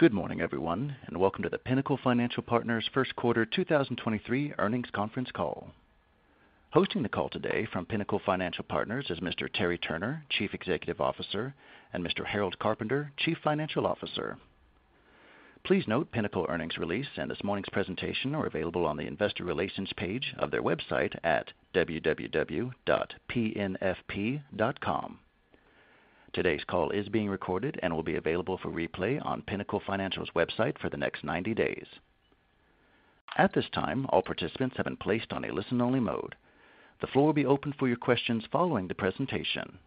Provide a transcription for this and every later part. Good morning, everyone, welcome to the Pinnacle Financial Partners first quarter 2023 earnings conference call. Hosting the call today from Pinnacle Financial Partners is Mr. Terry Turner, Chief Executive Officer, and Mr. Harold Carpenter, Chief Financial Officer. Please note Pinnacle earnings release and this morning's presentation are available on the investor relations page of their website at www.pnfp.com. Today's call is being recorded and will be available for replay on Pinnacle Financial's website for the next 90 days. At this time, all participants have been placed on a listen-only mode. The floor will be open for your questions following the presentation.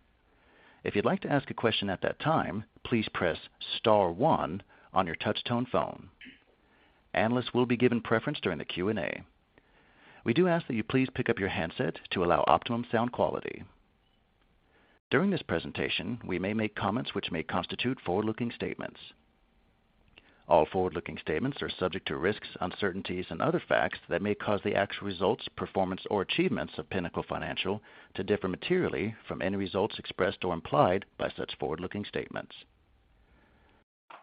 If you'd like to ask a question at that time, please press star one on your touchtone phone. Analysts will be given preference during the Q&A. We do ask that you please pick up your handset to allow optimum sound quality. During this presentation, we may make comments which may constitute forward-looking statements. All forward-looking statements are subject to risks, uncertainties and other facts that may cause the actual results, performance or achievements of Pinnacle Financial to differ materially from any results expressed or implied by such forward-looking statements.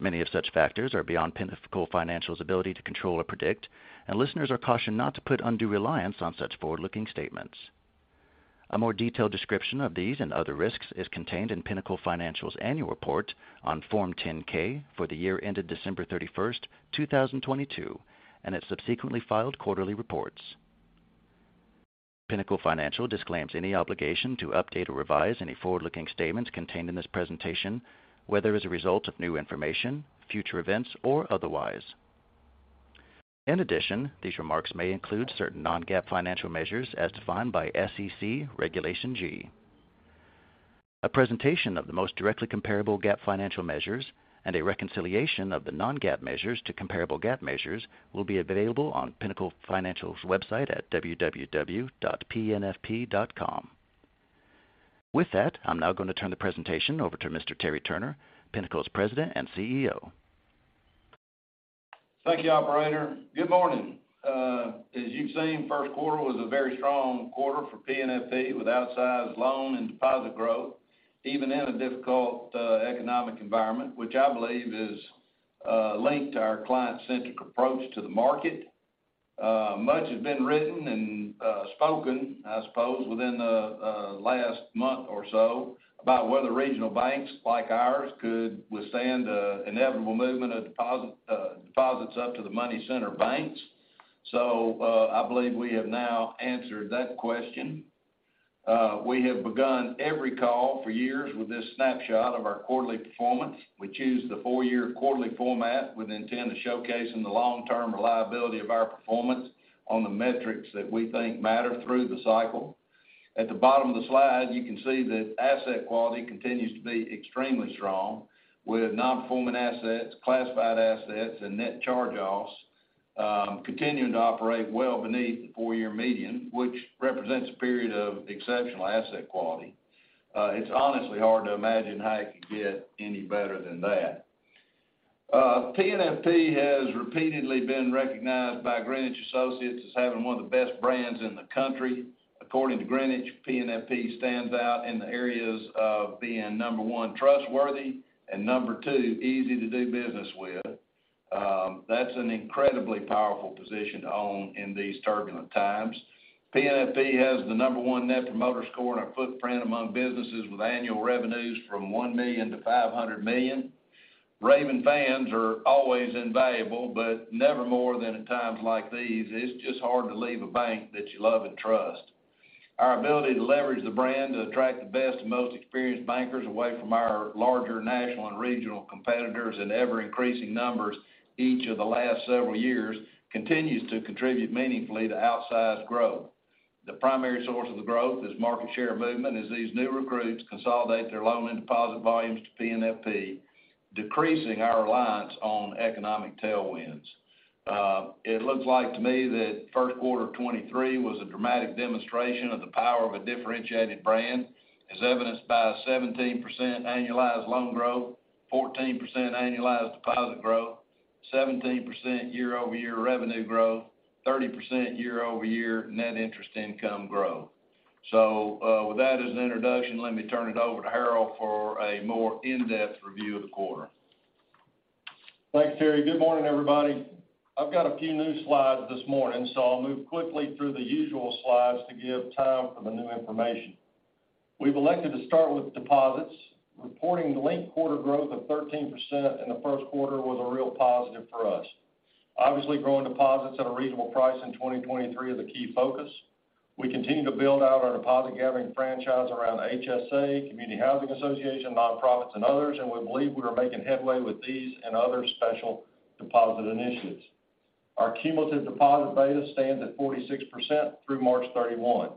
Many of such factors are beyond Pinnacle Financial's ability to control or predict, and listeners are cautioned not to put undue reliance on such forward-looking statements. A more detailed description of these and other risks is contained in Pinnacle Financial's annual report on form 10-K for the year ended December 31st, 2022, and its subsequently filed quarterly reports. Pinnacle Financial disclaims any obligation to update or revise any forward-looking statements contained in this presentation, whether as a result of new information, future events or otherwise. In addition, these remarks may include certain non-GAAP financial measures as defined by SEC Regulation G. A presentation of the most directly comparable GAAP financial measures and a reconciliation of the non-GAAP measures to comparable GAAP measures will be available on Pinnacle Financial's website at www.pnfp.com. I'm now going to turn the presentation over to Mr. Terry Turner, Pinnacle's President and CEO. Thank you, operator. Good morning. As you've seen, first quarter was a very strong quarter for PNFP with outsized loan and deposit growth, even in a difficult economic environment, which I believe is linked to our client-centric approach to the market. Much has been written and spoken, I suppose, within the last month or so about whether regional banks like ours could withstand the inevitable movement of deposits up to the money center banks. I believe we have now answered that question. We have begun every call for years with this snapshot of our quarterly performance. We choose the full year quarterly format with intent to showcasing the long-term reliability of our performance on the metrics that we think matter through the cycle. At the bottom of the slide, you can see that asset quality continues to be extremely strong, with non-performing assets, classified assets and net charge-offs, continuing to operate well beneath the four-year median, which represents a period of exceptional asset quality. It's honestly hard to imagine how it could get any better than that. PNFP has repeatedly been recognized by Greenwich Associates as having one of the best brands in the country. According to Greenwich, PNFP stands out in the areas of being, number one, trustworthy and, number two, easy to do business with. That's an incredibly powerful position to own in these turbulent times. PNFP has the number one Net Promoter Score and a footprint among businesses with annual revenues from $1 million-$500 million. Raving fans are always invaluable, never more than in times like these. It's just hard to leave a bank that you love and trust. Our ability to leverage the brand to attract the best and most experienced bankers away from our larger national and regional competitors in ever-increasing numbers each of the last several years continues to contribute meaningfully to outsized growth. The primary source of the growth is market share movement as these new recruits consolidate their loan and deposit volumes to PNFP, decreasing our reliance on economic tailwinds. It looks like to me that first quarter of 2023 was a dramatic demonstration of the power of a differentiated brand, as evidenced by 17% annualized loan growth, 14% annualized deposit growth, 17% year-over-year revenue growth, 30% year-over-year net interest income growth. With that as an introduction, let me turn it over to Harold for a more in-depth review of the quarter. Thanks, Terry. Good morning, everybody. I've got a few new slides this morning. I'll move quickly through the usual slides to give time for the new information. We've elected to start with deposits. Reporting linked quarter growth of 13% in the first quarter was a real positive for us. Obviously, growing deposits at a reasonable price in 2023 is a key focus. We continue to build out our deposit gathering franchise around HSA, community housing association, nonprofits and others. We believe we are making headway with these and other special deposit initiatives. Our cumulative deposit beta stands at 46% through March 31st.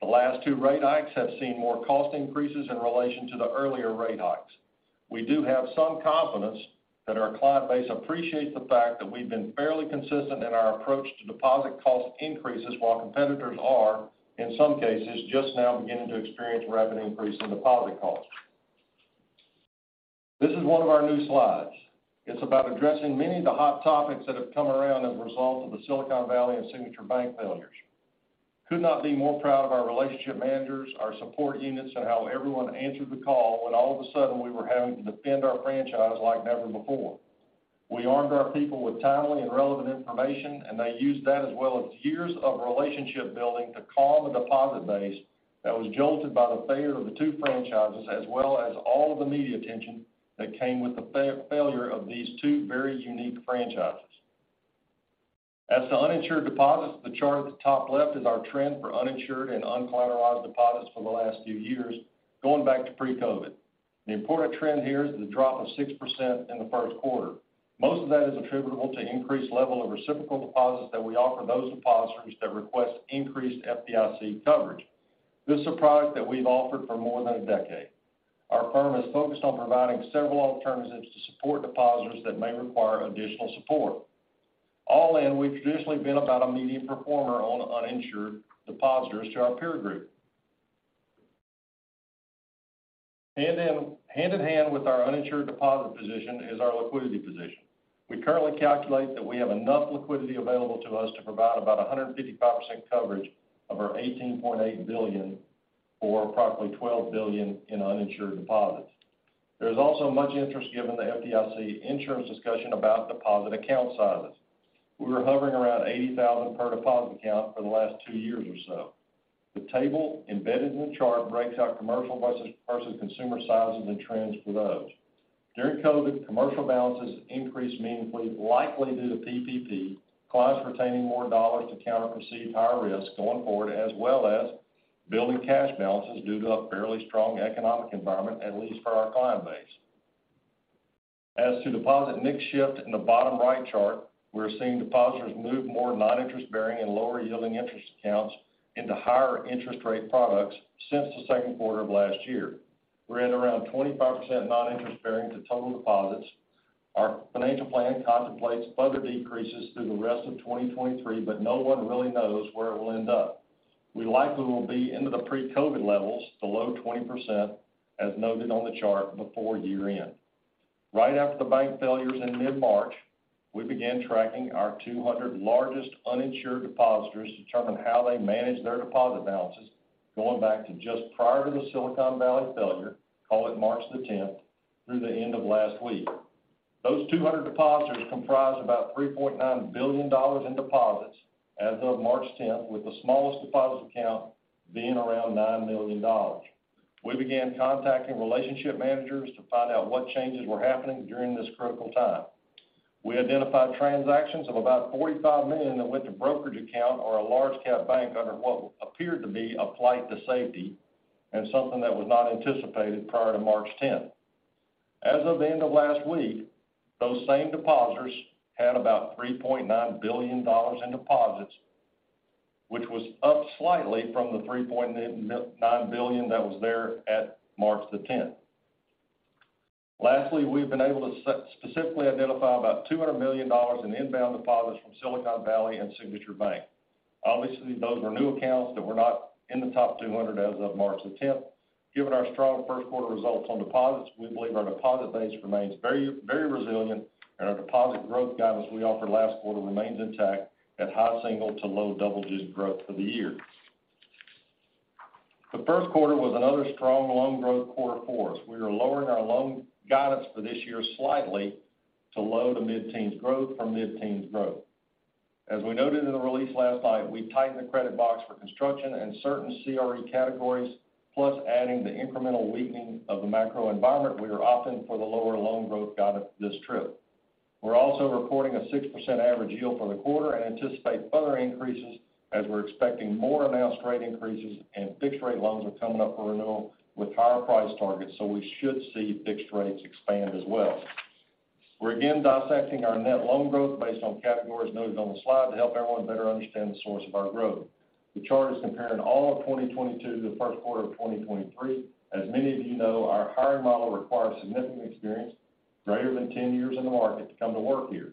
The last two rate hikes have seen more cost increases in relation to the earlier rate hikes. We do have some confidence that our client base appreciates the fact that we've been fairly consistent in our approach to deposit cost increases while competitors are, in some cases, just now beginning to experience rapid increase in deposit costs. This is one of our new slides. It's about addressing many of the hot topics that have come around as a result of the Silicon Valley and Signature Bank failures. Could not be more proud of our relationship managers, our support units, and how everyone answered the call when all of a sudden we were having to defend our franchise like never before. We armed our people with timely and relevant information, and they used that as well as years of relationship building to calm the deposit base that was jolted by the failure of the two franchises, as well as all of the media attention that came with the failure of these two very unique franchises. As to uninsured deposits, the chart at the top left is our trend for uninsured and uncollateralized deposits for the last few years, going back to pre-COVID. The important trend here is the drop of 6% in the first quarter. Most of that is attributable to increased level of reciprocal deposits that we offer those depositors that request increased FDIC coverage. This is a product that we've offered for more than a decade. Our firm is focused on providing several alternatives to support depositors that may require additional support. All in, we've traditionally been about a medium performer on uninsured depositors to our peer group. Hand in hand with our uninsured deposit position is our liquidity position. We currently calculate that we have enough liquidity available to us to provide about 155% coverage of our $18.8 billion or approximately $12 billion in uninsured deposits. There is also much interest given the FDIC insurance discussion about deposit account sizes. We were hovering around 80,000 per deposit account for the last two years or so. The table embedded in the chart breaks out commercial versus consumer sizes and trends for those. During COVID, commercial balances increased meaningfully, likely due to PPP, clients retaining more dollars to counter perceived higher risks going forward, as well as building cash balances due to a fairly strong economic environment, at least for our client base. As to deposit mix shift in the bottom right chart, we're seeing depositors move more non-interest bearing and lower yielding interest accounts into higher interest rate products since the second quarter of last year. We're at around 25% non-interest bearing to total deposits. Our financial plan contemplates further decreases through the rest of 2023. No one really knows where it will end up. We likely will be into the pre-COVID levels, below 20%, as noted on the chart before year-end. Right after the bank failures in mid-March, we began tracking our 200 largest uninsured depositors to determine how they manage their deposit balances going back to just prior to the Silicon Valley failure, call it March 10th, through the end of last week. Those 200 depositors comprised about $3.9 billion in deposits as of March tenth, with the smallest deposit account being around $9 million. We began contacting relationship managers to find out what changes were happening during this critical time. We identified transactions of about $45 million that went to brokerage account or a large cap bank under what appeared to be a flight to safety and something that was not anticipated prior to March tenth. As of the end of last week, those same depositors had about $3.9 billion in deposits, which was up slightly from the $3.9 billion that was there at March the tenth. Lastly, we've been able to specifically identify about $200 million in inbound deposits from Silicon Valley and Signature Bank. Obviously, those were new accounts that were not in the top 200 as of March the 10th. Given our strong first quarter results on deposits, we believe our deposit base remains very, very resilient and our deposit growth guidance we offered last quarter remains intact at high single to low double-digit growth for the year. The first quarter was another strong loan growth quarter for us. We are lowering our loan guidance for this year slightly to low to mid-teens growth from mid-teens growth. As we noted in the release last night, we tightened the credit box for construction and certain CRE categories, plus adding the incremental weakening of the macro environment we are opting for the lower loan growth guidance this trip. We're also reporting a 6% average yield for the quarter and anticipate further increases as we're expecting more announced rate increases and fixed rate loans are coming up for renewal with higher price targets, we should see fixed rates expand as well. We're again dissecting our net loan growth based on categories noted on the slide to help everyone better understand the source of our growth. The chart is comparing all of 2022 to the first quarter of 2023. As many of you know, our hiring model requires significant experience greater than 10 years in the market to come to work here.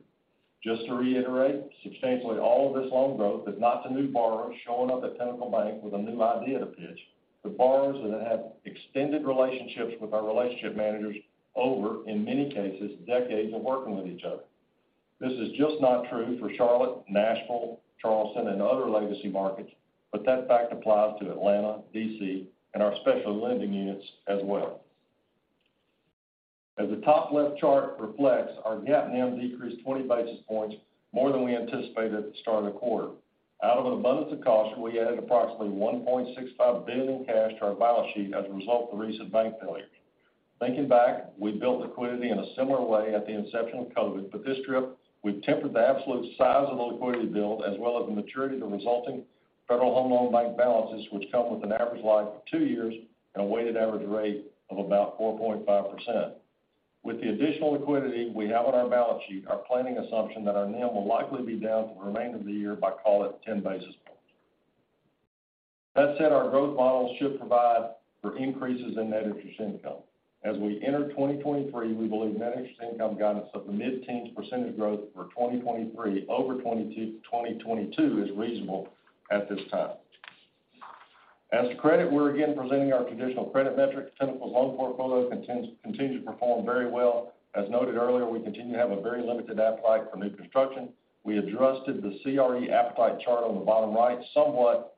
Just to reiterate, substantially all of this loan growth is not to new borrowers showing up at Pinnacle Bank with a new idea to pitch. The borrowers have had extended relationships with our relationship managers over, in many cases, decades of working with each other. This is just not true for Charlotte, Nashville, Charleston, and other legacy markets, That fact applies to Atlanta, D.C., and our special lending units as well. As the top left chart reflects, our GAAP NIM decreased 20 basis points more than we anticipated at the start of the quarter. Out of an abundance of caution, we added approximately $1.65 billion cash to our balance sheet as a result of the recent bank failures. Thinking back, we built liquidity in a similar way at the inception of COVID, but this trip, we've tempered the absolute size of the liquidity build as well as the maturity of the resulting Federal Home Loan Bank balances, which come with an average life of two years and a weighted average rate of about 4.5%. With the additional liquidity we have on our balance sheet, our planning assumption that our NIM will likely be down for the remainder of the year by, call it, 10 basis points. That said, our growth model should provide for increases in net interest income. As we enter 2023, we believe net interest income guidance of the mid-teens percentage growth for 2023 over 2022 is reasonable at this time. As to credit, we're again presenting our traditional credit metrics. Typical loan portfolio continue to perform very well. As noted earlier, we continue to have a very limited appetite for new construction. We adjusted the CRE appetite chart on the bottom right somewhat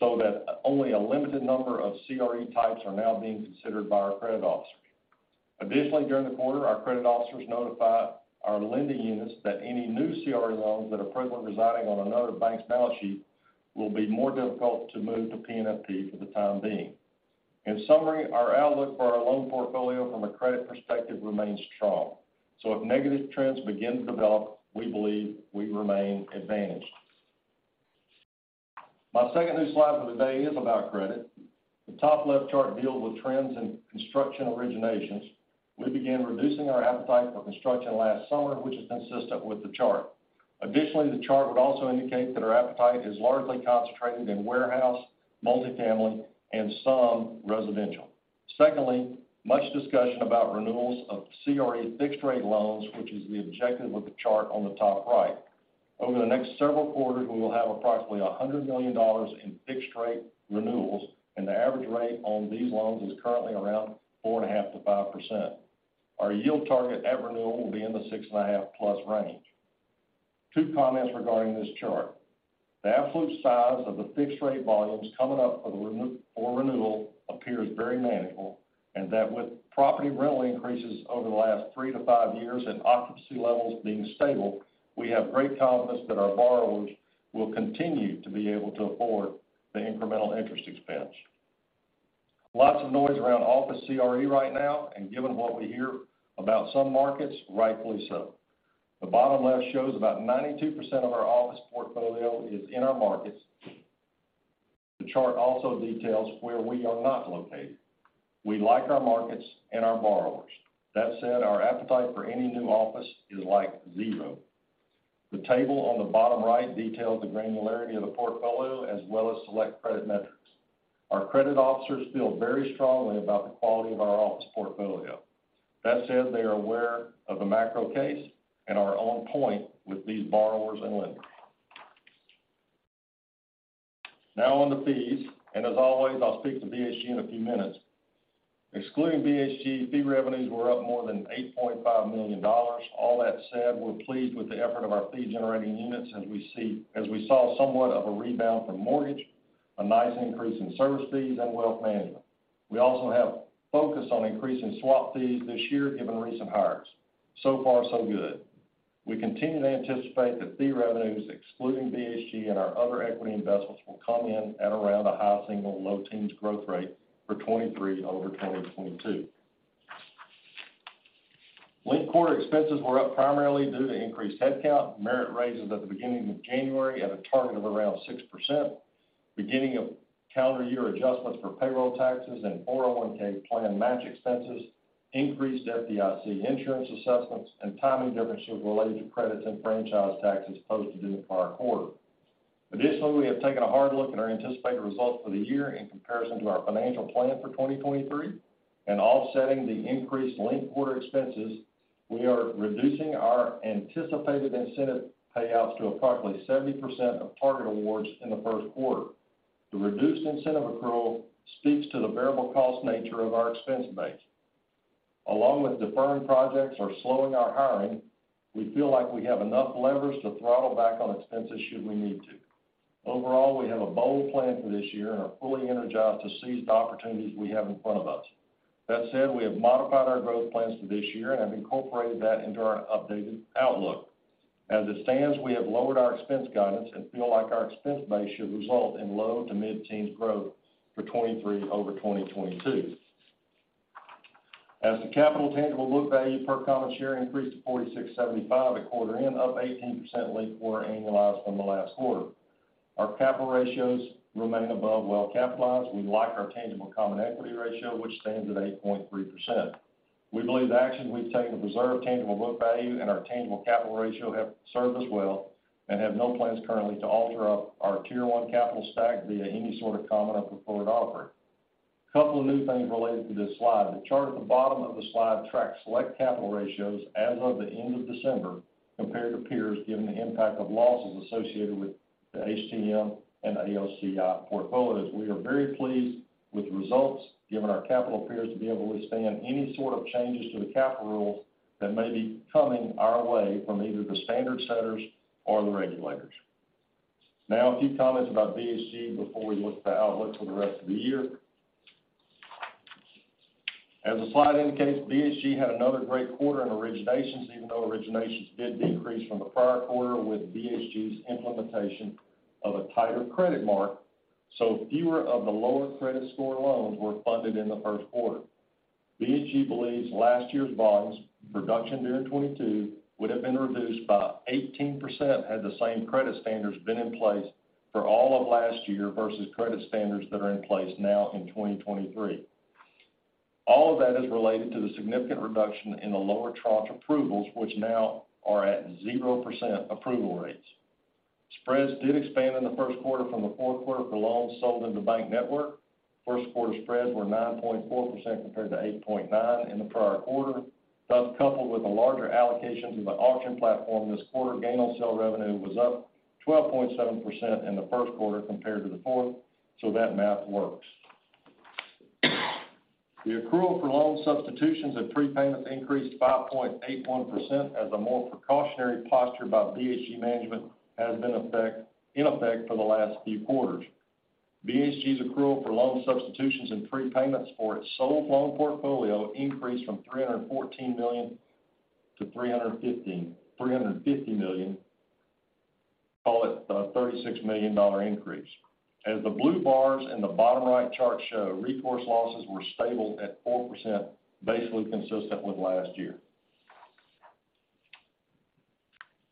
so that only a limited number of CRE types are now being considered by our credit officers. Additionally, during the quarter, our credit officers notified our lending units that any new CRE loans that are presently residing on another bank's balance sheet will be more difficult to move to PNFP for the time being. In summary, our outlook for our loan portfolio from a credit perspective remains strong. If negative trends begin to develop, we believe we remain advantaged. My second new slide for the day is about credit. The top left chart deals with trends in construction originations. We began reducing our appetite for construction last summer, which is consistent with the chart. Additionally, the chart would also indicate that our appetite is largely concentrated in warehouse, multifamily, and some residential. Secondly, much discussion about renewals of CRE fixed-rate loans, which is the objective of the chart on the top right. Over the next several quarters, we will have approximately $100 million in fixed-rate renewals, and the average rate on these loans is currently around 4.5%-5%. Our yield target at renewal will be in the 6.5%+ range. Two comments regarding this chart. The absolute size of the fixed-rate volumes coming up for renewal appears very manageable, and that with property rental increases over the last 3-5 years and occupancy levels being stable, we have great confidence that our borrowers will continue to be able to afford the incremental interest expense. Lots of noise around office CRE right now, given what we hear about some markets, rightfully so. The bottom left shows about 92% of our office portfolio is in our markets. The chart also details where we are not located. We like our markets and our borrowers. That said, our appetite for any new office is like zero. The table on the bottom right details the granularity of the portfolio as well as select credit metrics. Our credit officers feel very strongly about the quality of our office portfolio. That said, they are aware of the macro case and are on point with these borrowers and lenders. Now on to fees, as always, I'll speak to BHG in a few minutes. Excluding BHG, fee revenues were up more than $8.5 million. All that said, we're pleased with the effort of our fee-generating units as we saw somewhat of a rebound from mortgage, a nice increase in service fees and wealth management. We also have focused on increasing swap fees this year given the recent hires. So far, so good. We continue to anticipate that fee revenues, excluding BHG and our other equity investments, will come in at around a high single to low teens growth rate for 2023 over 2022. Linked quarter expenses were up primarily due to increased headcount, merit raises at the beginning of January at a target of around 6%, beginning of calendar year adjustments for payroll taxes and 401 plan match expenses, increased FDIC insurance assessments, and timing differences related to credits and franchise taxes posted due in the prior quarter. Additionally, we have taken a hard look at our anticipated results for the year in comparison to our financial plan for 2023. Offsetting the increased linked quarter expenses, we are reducing our anticipated incentive payouts to approximately 70% of target awards in the first quarter. The reduced incentive accrual speaks to the variable cost nature of our expense base. Along with deferring projects or slowing our hiring, we feel like we have enough levers to throttle back on expenses should we need to. Overall, we have a bold plan for this year and are fully energized to seize the opportunities we have in front of us. That said, we have modified our growth plans for this year and have incorporated that into our updated outlook. As it stands, we have lowered our expense guidance and feel like our expense base should result in low to mid-teens growth for 2023 over 2022. As the capital tangible book value per common share increased to $46.75 at quarter end, up 18% linked quarter annualized from the last quarter. Our capital ratios remain above well capitalized. We like our tangible common equity ratio, which stands at 8.3%. We believe the actions we've taken to preserve tangible book value and our tangible capital ratio have served us well and have no plans currently to alter up our Tier 1 capital stack via any sort of common or preferred offer. A couple of new things related to this slide. The chart at the bottom of the slide tracks select capital ratios as of the end of December compared to peers, given the impact of losses associated with the HTM and AOCI portfolios. We are very pleased with the results given our capital appears to be able to withstand any sort of changes to the capital rules that may be coming our way from either the standard setters or the regulators. Now a few comments about BHG before we look at the outlook for the rest of the year. As the slide indicates, BHG had another great quarter in originations, even though originations did decrease from the prior quarter with BHG's implementation of a tighter credit mark, so fewer of the lower credit score loans were funded in the 1st quarter. BHG believes last year's volumes, production during 2022, would have been reduced by 18% had the same credit standards been in place for all of last year versus credit standards that are in place now in 2023. All of that is related to the significant reduction in the lower tranche approvals, which now are at 0% approval rates. Spreads did expand in the first quarter from the fourth quarter for loans sold in the bank network. First quarter spreads were 9.4% compared to 8.9% in the prior quarter. Coupled with a larger allocation to the auction platform this quarter, gain on sale revenue was up 12.7% in the first quarter compared to the fourth. That math works. The accrual for loan substitutions and prepayments increased 5.81% as a more precautionary posture by BHG management has been in effect for the last few quarters. BHG's accrual for loan substitutions and prepayments for its sold loan portfolio increased from $314 million to $350 million. Call it a $36 million increase. The blue bars in the bottom right chart show, recourse losses were stable at 4%, basically consistent with last year.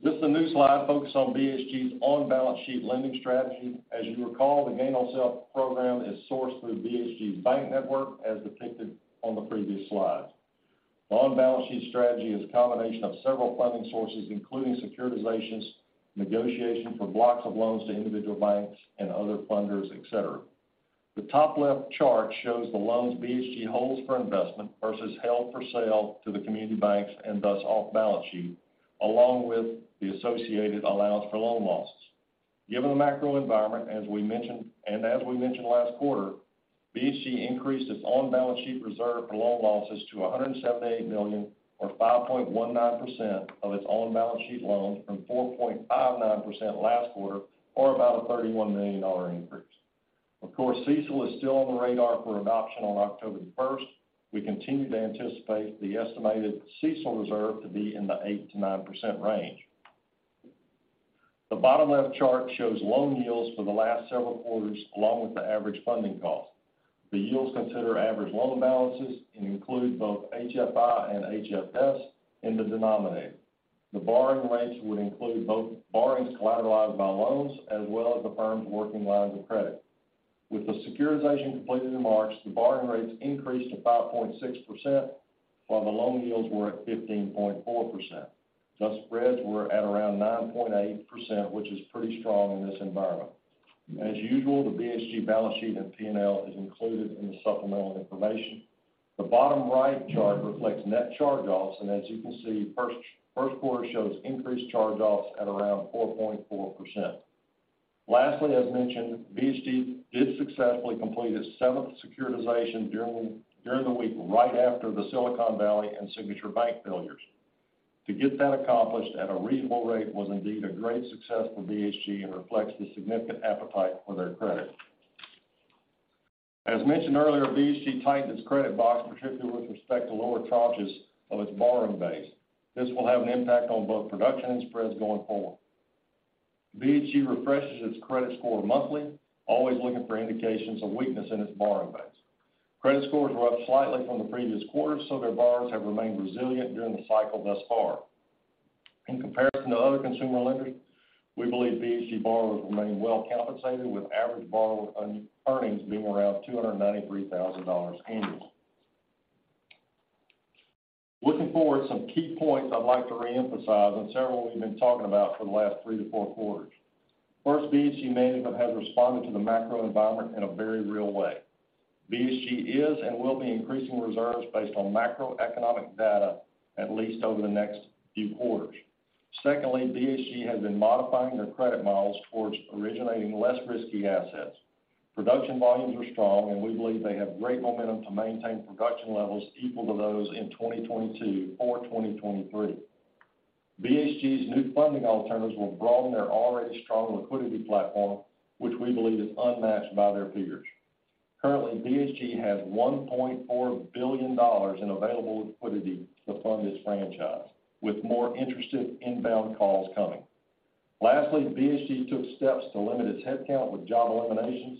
This is a new slide focused on BHG's on-balance sheet lending strategy. You recall, the gain on sale program is sourced through BHG's bank network, as depicted on the previous slide. The on-balance sheet strategy is a combination of several funding sources, including securitizations, negotiation for blocks of loans to individual banks and other funders, et cetera. The top left chart shows the loans BHG holds for investment versus held for sale to the community banks and thus off balance sheet, along with the associated allowance for loan losses. Given the macro environment, as we mentioned, and as we mentioned last quarter, BHG increased its on-balance sheet reserve for loan losses to $178 million or 5.19% of its on-balance sheet loans from 4.59% last quarter or about a $31 million increase. Of course, CECL is still on the radar for adoption on October 1st. We continue to anticipate the estimated CECL reserve to be in the 8%-9% range. The bottom left chart shows loan yields for the last several quarters, along with the average funding cost. The yields consider average loan balances and include both HFI and HFS in the denominator. The borrowing rates would include both borrowings collateralized by loans as well as the firm's working lines of credit. With the securitization completed in March, the borrowing rates increased to 5.6%, while the loan yields were at 15.4%. Spreads were at around 9.8%, which is pretty strong in this environment. As usual, the BHG balance sheet and P&L is included in the supplemental information. The bottom right chart reflects net charge-offs, as you can see, first quarter shows increased charge-offs at around 4.4%. As mentioned, BHG did successfully complete its seventh securitization during the week right after the Silicon Valley and Signature Bank failures. To get that accomplished at a reasonable rate was indeed a great success for BHG and reflects the significant appetite for their credit. As mentioned earlier, BHG tightened its credit box, particularly with respect to lower tranches of its borrowing base. This will have an impact on both production and spreads going forward. BHG refreshes its credit score monthly, always looking for indications of weakness in its borrowing base. Credit scores were up slightly from the previous quarter, their borrowers have remained resilient during the cycle thus far. In comparison to other consumer lenders, we believe BHG borrowers remain well compensated, with average borrower earn-earnings being around $293,000 annually. Looking forward, some key points I'd like to reemphasize, several we've been talking about for the last three to four quarters. First, BHG management has responded to the macro environment in a very real way. BHG is and will be increasing reserves based on macroeconomic data, at least over the next few quarters. Secondly, BHG has been modifying their credit models towards originating less risky assets. Production volumes are strong, and we believe they have great momentum to maintain production levels equal to those in 2022 or 2023. BHG's new funding alternatives will broaden their already strong liquidity platform, which we believe is unmatched by their peers. Currently, BHG has $1.4 billion in available liquidity to fund its franchise, with more interested inbound calls coming. Lastly, BHG took steps to limit its headcount with job eliminations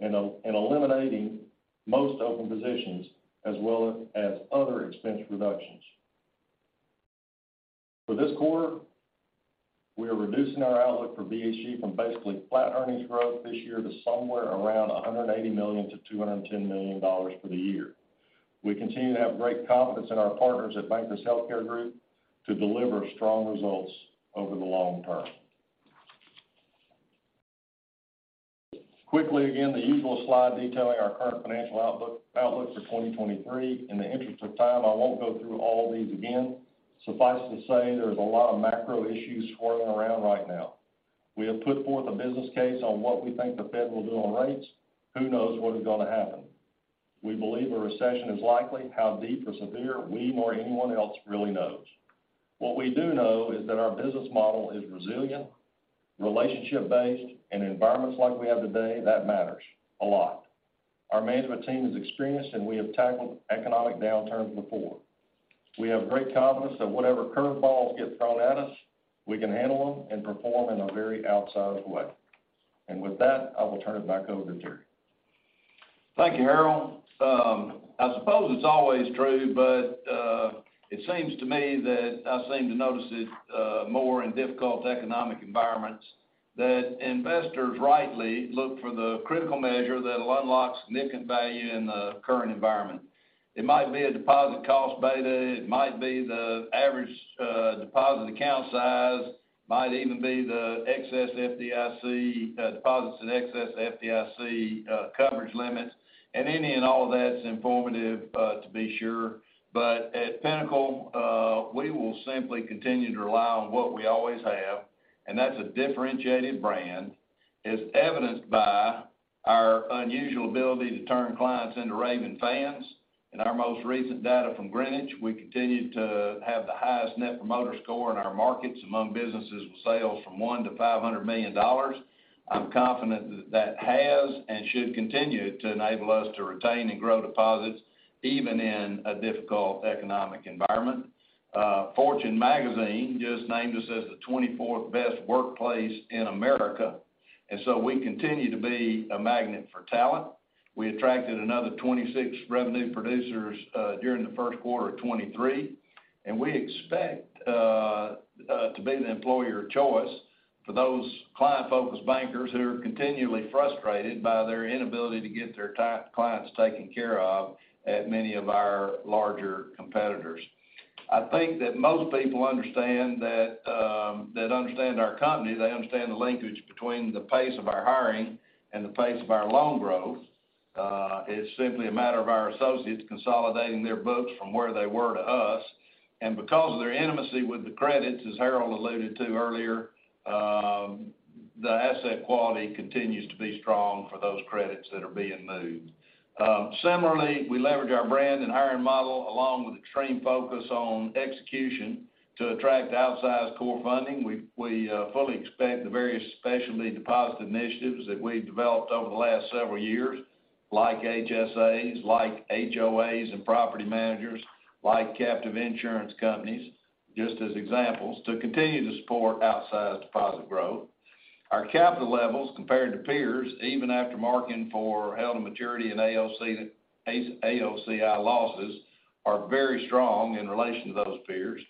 and eliminating most open positions as well as other expense reductions. For this quarter, we are reducing our outlook for BHG from basically flat earnings growth this year to somewhere around $180 million-$210 million for the year. We continue to have great confidence in our partners at Bank of South Care Group to deliver strong results over the long term. Quickly, again, the usual slide detailing our current financial outlook for 2023. In the interest of time, I won't go through all these again. Suffice to say there's a lot of macro issues swirling around right now. We have put forth a business case on what we think the Fed will do on rates. Who knows what is going to happen? We believe a recession is likely. How deep or severe, we or anyone else really knows. What we do know is that our business model is resilient, relationship-based, and in environments like we have today, that matters a lot. Our management team is experienced. We have tackled economic downturns before. We have great confidence that whatever curveballs get thrown at us, we can handle them and perform in a very outsized way. With that, I will turn it back over to Terry. Thank you, Harold. I suppose it's always true, but it seems to me that I seem to notice it more in difficult economic environments, that investors rightly look for the critical measure that'll unlock significant value in the current environment. It might be a deposit cost beta, it might be the average deposit account size. It might even be the excess FDIC deposits in excess FDIC coverage limits. Any and all of that's informative, to be sure. At Pinnacle, we will simply continue to rely on what we always have, and that's a differentiated brand. As evidenced by our unusual ability to turn clients into raving fans. In our most recent data from Greenwich, we continued to have the highest Net Promoter Score in our markets among businesses with sales from $1 million to $500 million. I'm confident that has and should continue to enable us to retain and grow deposits even in a difficult economic environment. Fortune Magazine just named us as the 24th best workplace in America. We continue to be a magnet for talent. We attracted another 26 revenue producers during the first quarter of 2023. We expect to be the employer of choice for those client-focused bankers who are continually frustrated by their inability to get their clients taken care of at many of our larger competitors. I think that most people understand that understand our company, they understand the linkage between the pace of our hiring and the pace of our loan growth. It's simply a matter of our associates consolidating their books from where they were to us. Because of their intimacy with the credits, as Harold Carpenter alluded to earlier, the asset quality continues to be strong for those credits that are being moved. Similarly, we leverage our brand and hiring model along with a trained focus on execution to attract outsized core funding. We fully expect the various specialty deposit initiatives that we've developed over the last several years, like HSAs, like HOAs and property managers, like captive insurance companies, just as examples, to continue to support outsized deposit growth. Our capital levels, compared to peers, even after marking for held maturity and AOCI losses, are very strong in relation to those peers.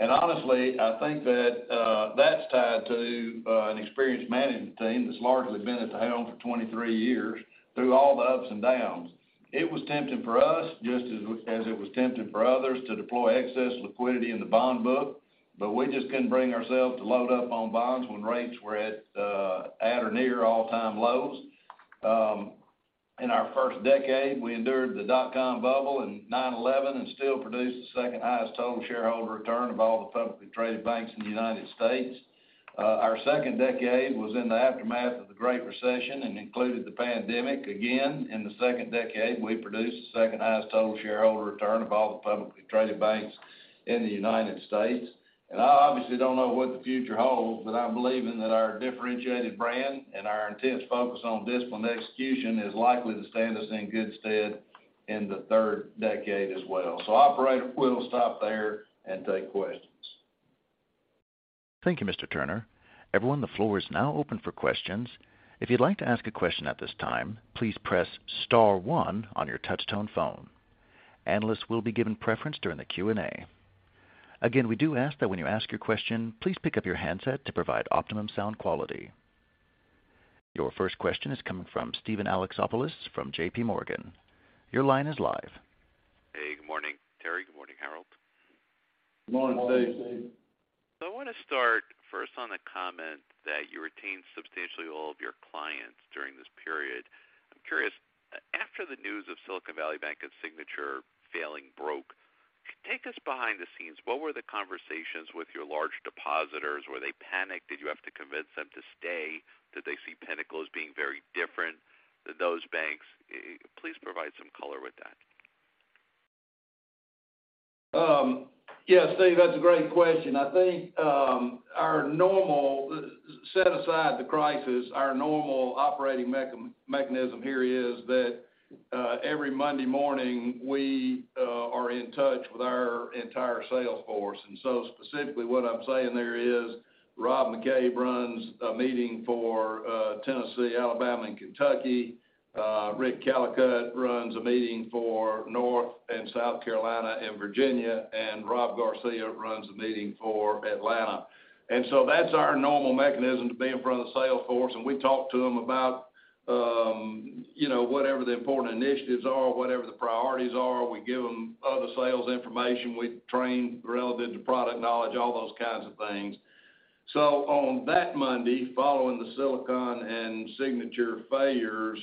Honestly, I think that that's tied to an experienced management team that's largely been at the helm for 23 years through all the ups and downs. It was tempting for us, just as it was tempting for others, to deploy excess liquidity in the bond book, but we just couldn't bring ourselves to load up on bonds when rates were at or near all-time lows. In our first decade, we endured the dot-com bubble and 9/11 and still produced the second highest total shareholder return of all the publicly traded banks in the United States. Our second decade was in the aftermath of the Great Recession and included the pandemic. Again, in the second decade, we produced the second highest total shareholder return of all the publicly traded banks in the United States. I obviously don't know what the future holds, but I'm believing that our differentiated brand and our intense focus on disciplined execution is likely to stand us in good stead in the third decade as well. Operator, we'll stop there and take questions. Thank you, Mr. Turner. Everyone, the floor is now open for questions. If you'd like to ask a question at this time, please press star one on your touch-tone phone. Analysts will be given preference during the Q&A. Again, we do ask that when you ask your question, please pick up your handset to provide optimum sound quality. Your first question is coming from Steven Alexopoulos from JPMorgan. Your line is live. Hey, good morning, Terry. Good morning, Harold. Good morning, Steve. I want to start first on the comment that you retained substantially all of your clients during this period. I'm curious, after the news of Silicon Valley Bank and Signature failing broke, take us behind the scenes. What were the conversations with your large depositors? Were they panicked? Did you have to convince them to stay? Did they see Pinnacle as being very different than those banks? Please provide some color with that. Steve, that's a great question. I think, Set aside the crisis, our normal operating mechanism here is that, every Monday morning, we are in touch with our entire sales force. Specifically, what I'm saying there is Rob McCabe runs a meeting for Tennessee, Alabama, and Kentucky. Rick Callicutt runs a meeting for North and South Carolina and Virginia, and Rob Garcia runs a meeting for Atlanta. That's our normal mechanism to be in front of the sales force. We talk to them about, you know, whatever the important initiatives are, whatever the priorities are. We give them other sales information. We train relative to product knowledge, all those kinds of things. On that Monday, following the Silicon and Signature failures,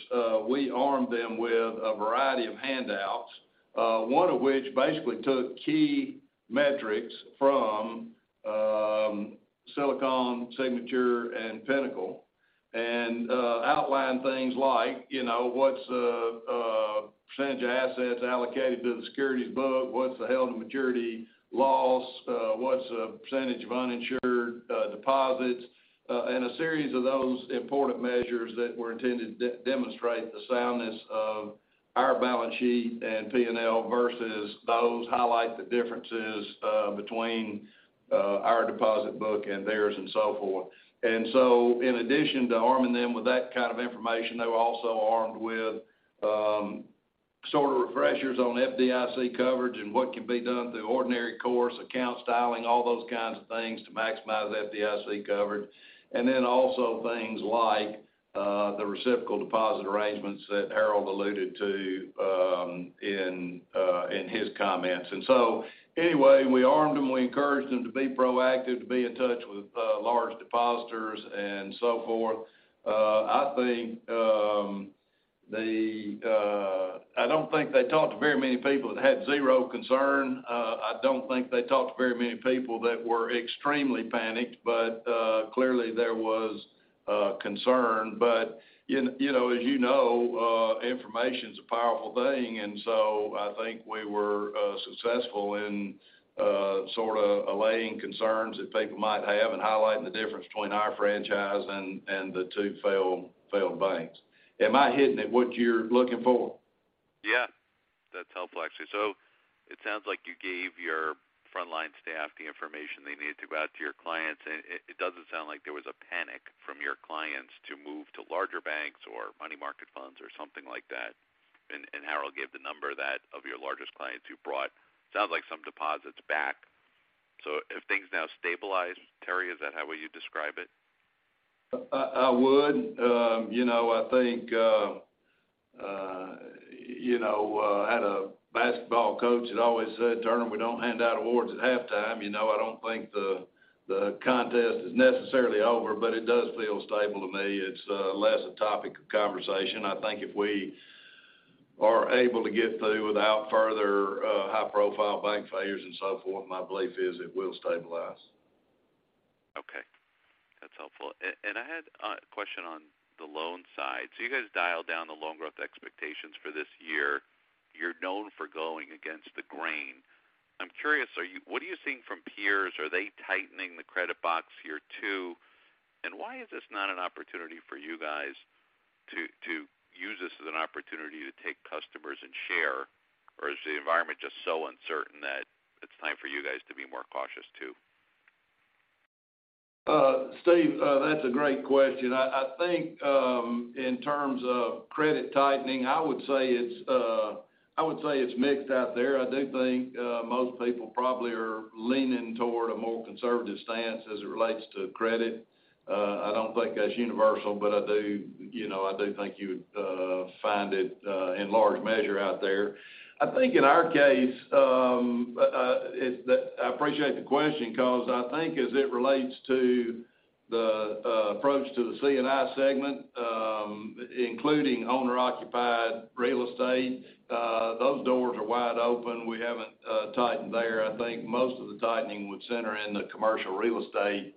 we armed them with a variety of handouts, one of which basically took key metrics from Silicon, Signature, and Pinnacle and outlined things like, you know, what's the percentage of assets allocated to the securities book? What's the held maturity loss? What's the percentage of uninsured deposits? A series of those important measures that were intended to demonstrate the soundness of our balance sheet and P&L versus those highlight the differences between our deposit book and theirs and so forth. In addition to arming them with that kind of information, they were also armed with sort of refreshers on FDIC coverage and what can be done through ordinary course, account styling, all those kinds of things to maximize FDIC coverage. Also things like the reciprocal deposit arrangements that Harold alluded to, in his comments. Anyway, we armed them, we encouraged them to be proactive, to be in touch with large depositors and so forth. I don't think they talked to very many people that had zero concern. I don't think they talked to very many people that were extremely panicked, clearly there was concern. You know, as you know, information's a powerful thing. I think we were successful in sort of allaying concerns that people might have and highlighting the difference between our franchise and the two failed banks. Am I hitting at what you're looking for? Yeah, that's helpful, actually. It sounds like you gave your frontline staff the information they needed to go out to your clients. It, it doesn't sound like there was a panic from your clients to move to larger banks or money market funds or something like that. Harold gave the number that of your largest clients who brought, sounds like some deposits back. Have things now stabilized, Terry? Is that how you describe it? I would. You know, I think, you know, I had a basketball coach that always said, "Turner, we don't hand out awards at halftime." You know, I don't think the contest is necessarily over, but it does feel stable to me. It's less a topic of conversation. I think if we are able to get through without further high-profile bank failures and so forth, my belief is it will stabilize. Okay. That's helpful. I had a question on the loan side. You guys dialed down the loan growth expectations for this year. You're known for going against the grain. I'm curious, what are you seeing from peers? Are they tightening the credit box here too? Why is this not an opportunity for you guys to use this as an opportunity to take customers and share? Is the environment just so uncertain that it's time for you guys to be more cautious too? Steve, that's a great question. I think, in terms of credit tightening, I would say it's mixed out there. I do think, most people probably are leaning toward a more conservative stance as it relates to credit. I don't think that's universal, but I do, you know, I do think you would find it in large measure out there. I think in our case, I appreciate the question because I think as it relates to the approach to the C&I segment, including owner-occupied real estate, those doors are wide open. We haven't tightened there. I think most of the tightening would center in the commercial real estate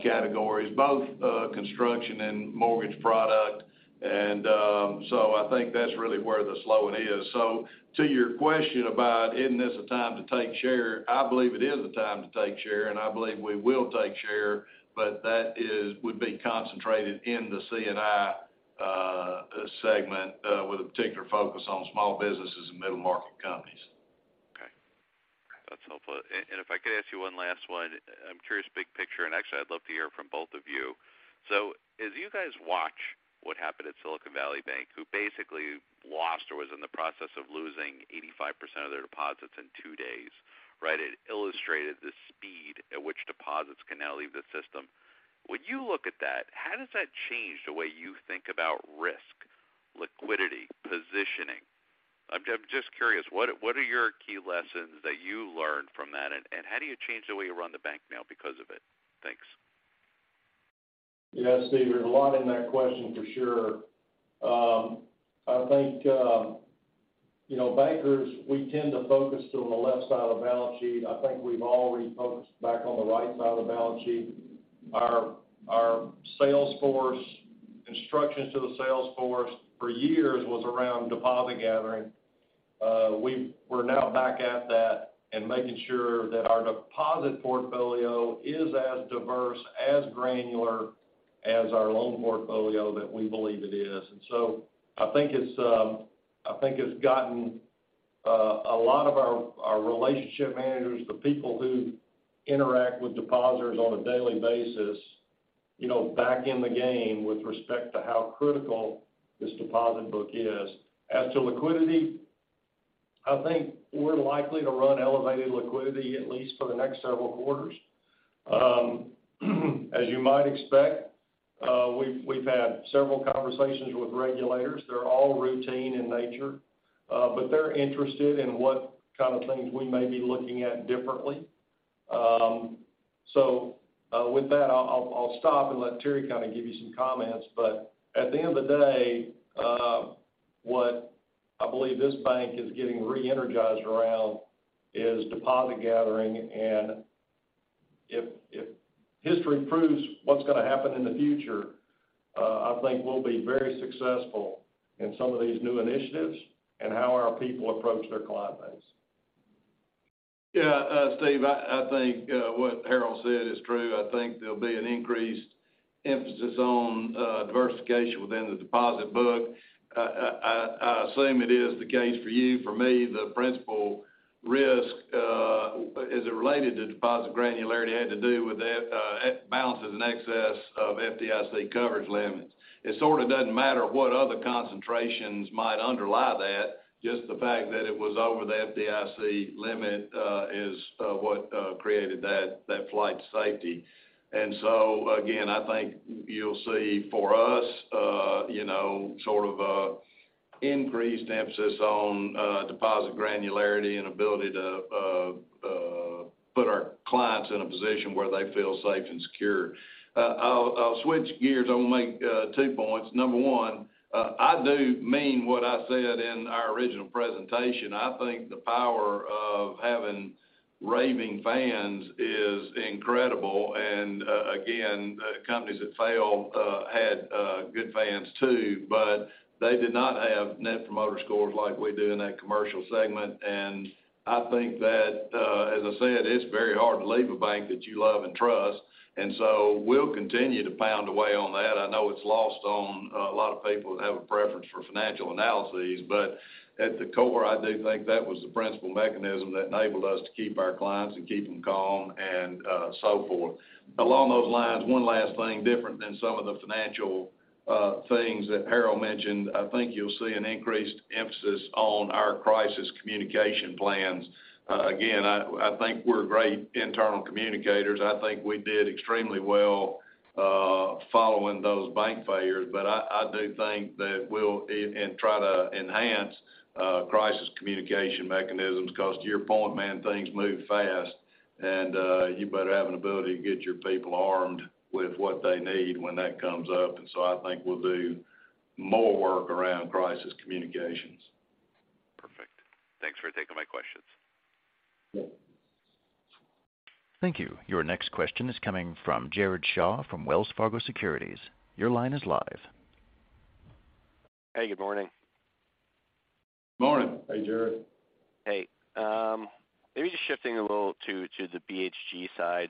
categories, both construction and mortgage product. So I think that's really where the slowing is. To your question about isn't this a time to take share? I believe it is a time to take share, and I believe we will take share, but that would be concentrated in the C&I segment with a particular focus on small businesses and middle-market companies. Okay. That's helpful. If I could ask you 1 last one. I'm curious, big picture, and actually I'd love to hear from both of you. As you guys watch what happened at Silicon Valley Bank, who basically lost or was in the process of losing 85% of their deposits in two days, right? It illustrated the speed at which deposits can now leave the system. When you look at that, how does that change the way you think about risk, liquidity, positioning? I'm just curious, what are your key lessons that you learned from that, and how do you change the way you run the bank now because of it? Thanks. Yeah, Steve, there's a lot in that question for sure. I think, you know, bankers, we tend to focus on the left side of the balance sheet. I think we've all refocused back on the right side of the balance sheet. Our sales force, instructions to the sales force for years was around deposit gathering. we're now back at that and making sure that our deposit portfolio is as diverse, as granular as our loan portfolio that we believe it is. I think it's, I think it's gotten a lot of our relationship managers, the people who interact with depositors on a daily basis, you know, back in the game with respect to how critical this deposit book is. As to liquidity, I think we're likely to run elevated liquidity at least for the next several quarters. As you might expect, we've had several conversations with regulators. They're all routine in nature, they're interested in what kind of things we may be looking at differently. With that, I'll stop and let Terry kind of give you some comments. At the end of the day, what I believe this bank is getting re-energized around is deposit gathering. If history proves what's gonna happen in the future, I think we'll be very successful in some of these new initiatives and how our people approach their client base. Yeah, Steve, I think what Harold said is true. I think there'll be an increased emphasis on diversification within the deposit book. I assume it is the case for you. For me, the principal risk, as it related to deposit granularity had to do with that, balances in excess of FDIC coverage limits. It sort of doesn't matter what other concentrations might underlie that, just the fact that it was over the FDIC limit, is what created that flight safety. Again, I think you'll see for us, you know, sort of a Increased emphasis on deposit granularity and ability to put our clients in a position where they feel safe and secure. I'll switch gears. I'll make two points. Number one, I do mean what I said in our original presentation. I think the power of having raving fans is incredible. Again, companies that fail had good fans too, but they did not have Net Promoter Scores like we do in that commercial segment. I think that, as I said, it's very hard to leave a bank that you love and trust, so we'll continue to pound away on that. I know it's lost on a lot of people that have a preference for financial analyses. At the core, I do think that was the principal mechanism that enabled us to keep our clients and keep them calm and so forth. Along those lines, one last thing different than some of the financial things that Harold mentioned. I think you'll see an increased emphasis on our crisis communication plans. Again, I think we're great internal communicators. I think we did extremely well following those bank failures. I do think that and try to enhance crisis communication mechanisms, 'cause to your point, man, things move fast, and you better have an ability to get your people armed with what they need when that comes up. I think we'll do more work around crisis communications. Perfect. Thanks for taking my questions. Yeah. Thank you. Your next question is coming from Jared Shaw from Wells Fargo Securities. Your line is live. Hey, good morning. Morning. Hey, Jared. Hey. Maybe just shifting a little to the BHG side,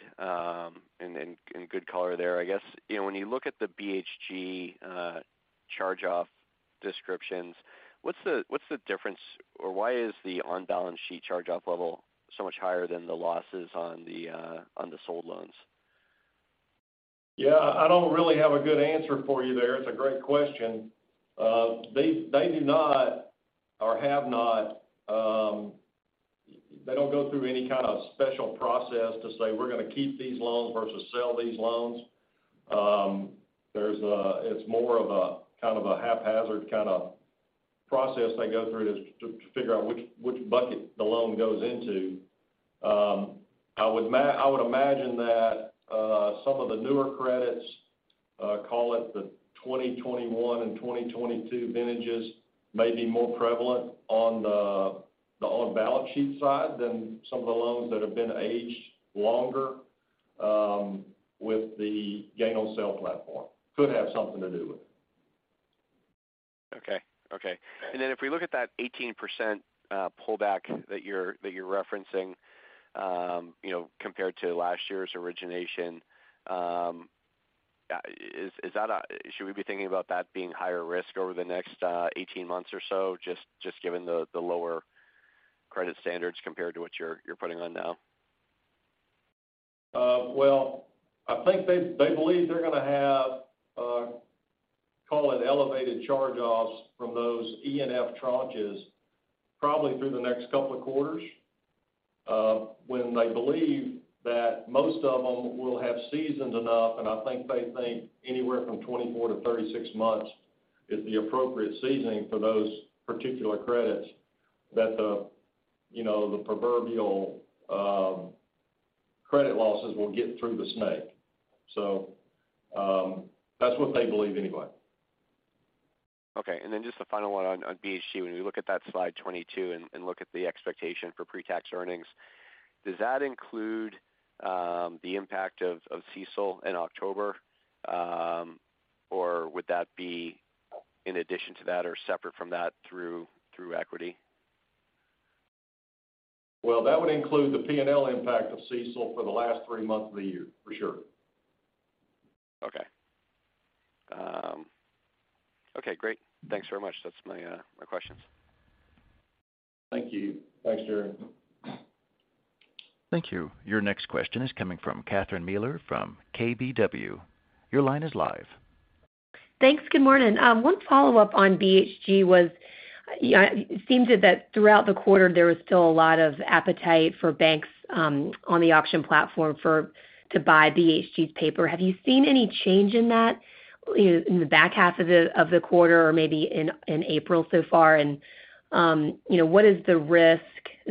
good color there, I guess. You know, when you look at the BHG charge-off descriptions, what's the difference or why is the on-balance sheet charge-off level so much higher than the losses on the sold loans? I don't really have a good answer for you there. It's a great question. They do not or have not, they don't go through any kind of special process to say, we're gonna keep these loans versus sell these loans. It's more of a kind of a haphazard kind of process they go through to figure out which bucket the loan goes into. I would imagine that some of the newer credits, call it the 2021 and 2022 vintages may be more prevalent on the on-balance sheet side than some of the loans that have been aged longer, with the gain on sale platform. Could have something to do with it. Okay. Okay. Then if we look at that 18% pullback that you're referencing, you know, compared to last year's origination, is that should we be thinking about that being higher risk over the next 18 months or so, just given the lower credit standards compared to what you're putting on now? I think they believe they're gonna have, call it elevated charge-offs from those E and F tranches probably through the next couple of quarters, when they believe that most of them will have seasoned enough, and I think they think anywhere from 24-36 months is the appropriate seasoning for those particular credits that the, you know, the proverbial, credit losses will get through the snake. That's what they believe anyway. Okay. Just a final one on BHG. When we look at that slide 22 and look at the expectation for pre-tax earnings, does that include the impact of CECL in October? Or would that be in addition to that or separate from that through equity? Well, that would include the P&L impact of CECL for the last three months of the year, for sure. Okay. Okay, great. Thanks very much. That's my questions. Thank you. Thanks, Jared. Thank you. Your next question is coming from Catherine Mealor from KBW. Your line is live. Thanks. Good morning. One follow-up on BHG was, you know, it seems that throughout the quarter, there was still a lot of appetite for banks on the auction platform to buy BHG's paper. Have you seen any change in that in the back half of the quarter or maybe in April so far? What is the risk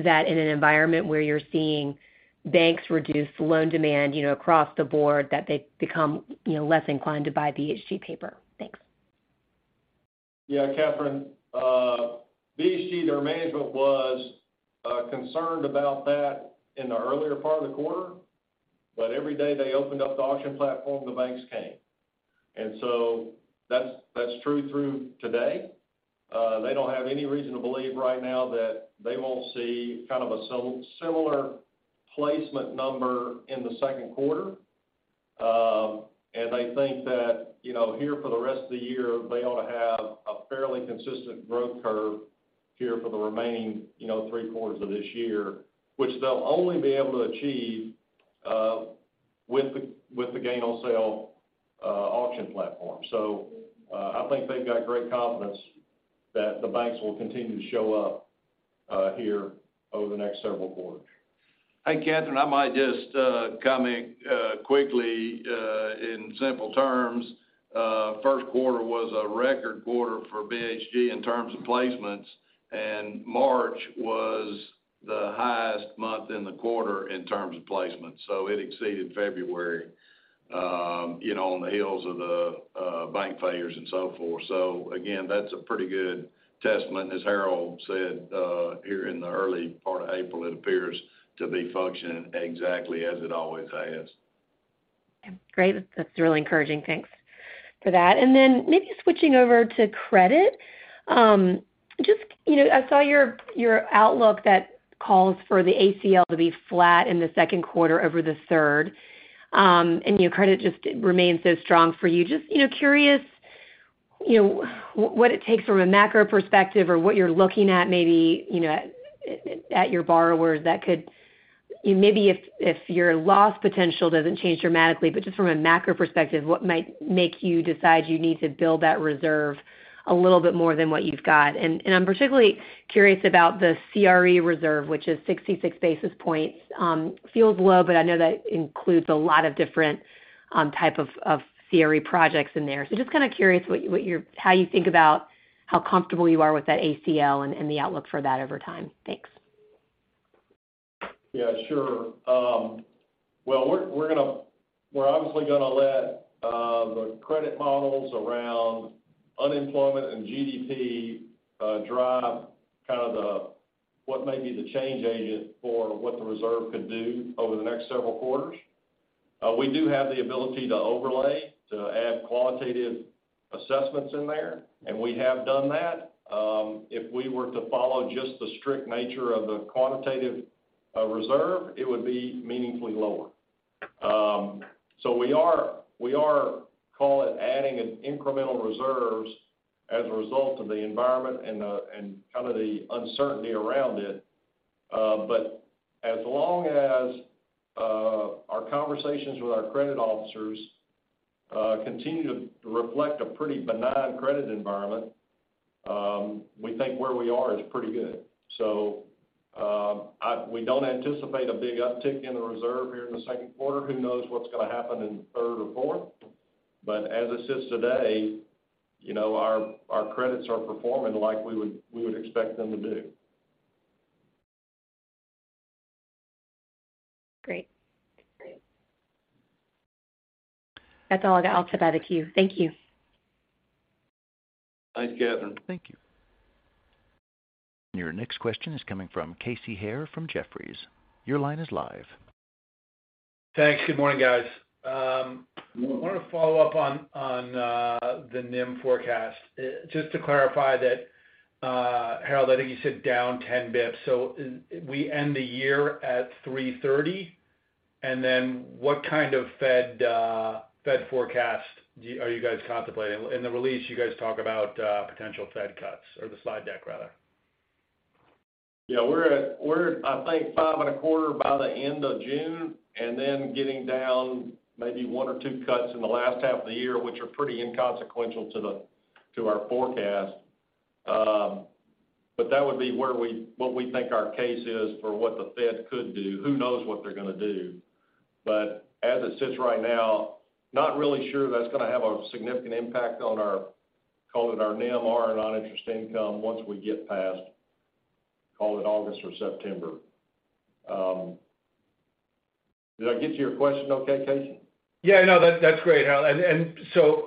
that in an environment where you're seeing banks reduce loan demand, you know, across the board, that they become, you know, less inclined to buy BHG paper? Thanks. Yeah, Catherine. BHG, their management was concerned about that in the earlier part of the quarter, but every day they opened up the auction platform, the banks came. That's true through today. They don't have any reason to believe right now that they won't see kind of a similar placement number in the second quarter. They think that, you know, here for the rest of the year, they ought to have a fairly consistent growth curve here for the remaining, you know, three-quarters of this year, which they'll only be able to achieve with the gain-on-sale auction platform. I think they've got great confidence that the banks will continue to show up here over the next several quarters. Hey, Catherine, I might just comment quickly in simple terms. First quarter was a record quarter for BHG in terms of placements. March was the highest month in the quarter in terms of placements. It exceeded February, you know, on the heels of the bank failures and so forth. Again, that's a pretty good testament. As Harold said, here in the early part of April, it appears to be functioning exactly as it always has. Great. That's really encouraging. Thanks for that. Maybe switching over to credit, just, you know, I saw your outlook that calls for the ACL to be flat in the second quarter over the third, and your credit just remains so strong for you. Just, you know, curious, you know, what it takes from a macro perspective or what you're looking at maybe, you know, at your borrowers that could... Maybe if your loss potential doesn't change dramatically, but just from a macro perspective, what might make you decide you need to build that reserve a little bit more than what you've got? I'm particularly curious about the CRE reserve, which is 66 basis points. Feels low, but I know that includes a lot of different, type of CRE projects in there. Just kind of curious how you think about how comfortable you are with that ACL and the outlook for that over time? Thanks. Yeah, sure. Well, we're obviously going to let the credit models around unemployment and GDP drive kind of what may be the change agent for what the reserve could do over the next several quarters. We do have the ability to overlay, to add qualitative assessments in there, and we have done that. If we were to follow just the strict nature of the quantitative reserve, it would be meaningfully lower. So we are, we are, call it, adding an incremental reserves as a result of the environment and kind of the uncertainty around it. But as long as our conversations with our credit officers continue to reflect a pretty benign credit environment, we think where we are is pretty good. We don't anticipate a big uptick in the reserve here in the second quarter. Who knows what's gonna happen in third or fourth, but as it sits today, you know, our credits are performing like we would expect them to do. Great. Great. That's all I got. I'll turn it back to you. Thank you. Thanks, Catherine. Thank you. Your next question is coming from Casey Haire from Jefferies. Your line is live. Thanks. Good morning, guys. I want to follow up on the NIM forecast. Just to clarify that, Harold, I think you said down 10 basis points. We end the year at 330, what kind of Fed forecast are you guys contemplating? In the release, you guys talk about potential Fed cuts or the slide deck rather. Yeah. We're at, I think, 5.25 by the end of June, getting down maybe one or two cuts in the last half of the year, which are pretty inconsequential to the, to our forecast. That would be where we think our case is for what the Fed could do. Who knows what they're going to do. As it sits right now, not really sure that's going to have a significant impact on our, call it, our NIM or our non-interest income once we get past, call it, August or September. Did I get to your question okay, Casey? Yeah. No, that's great, Harold.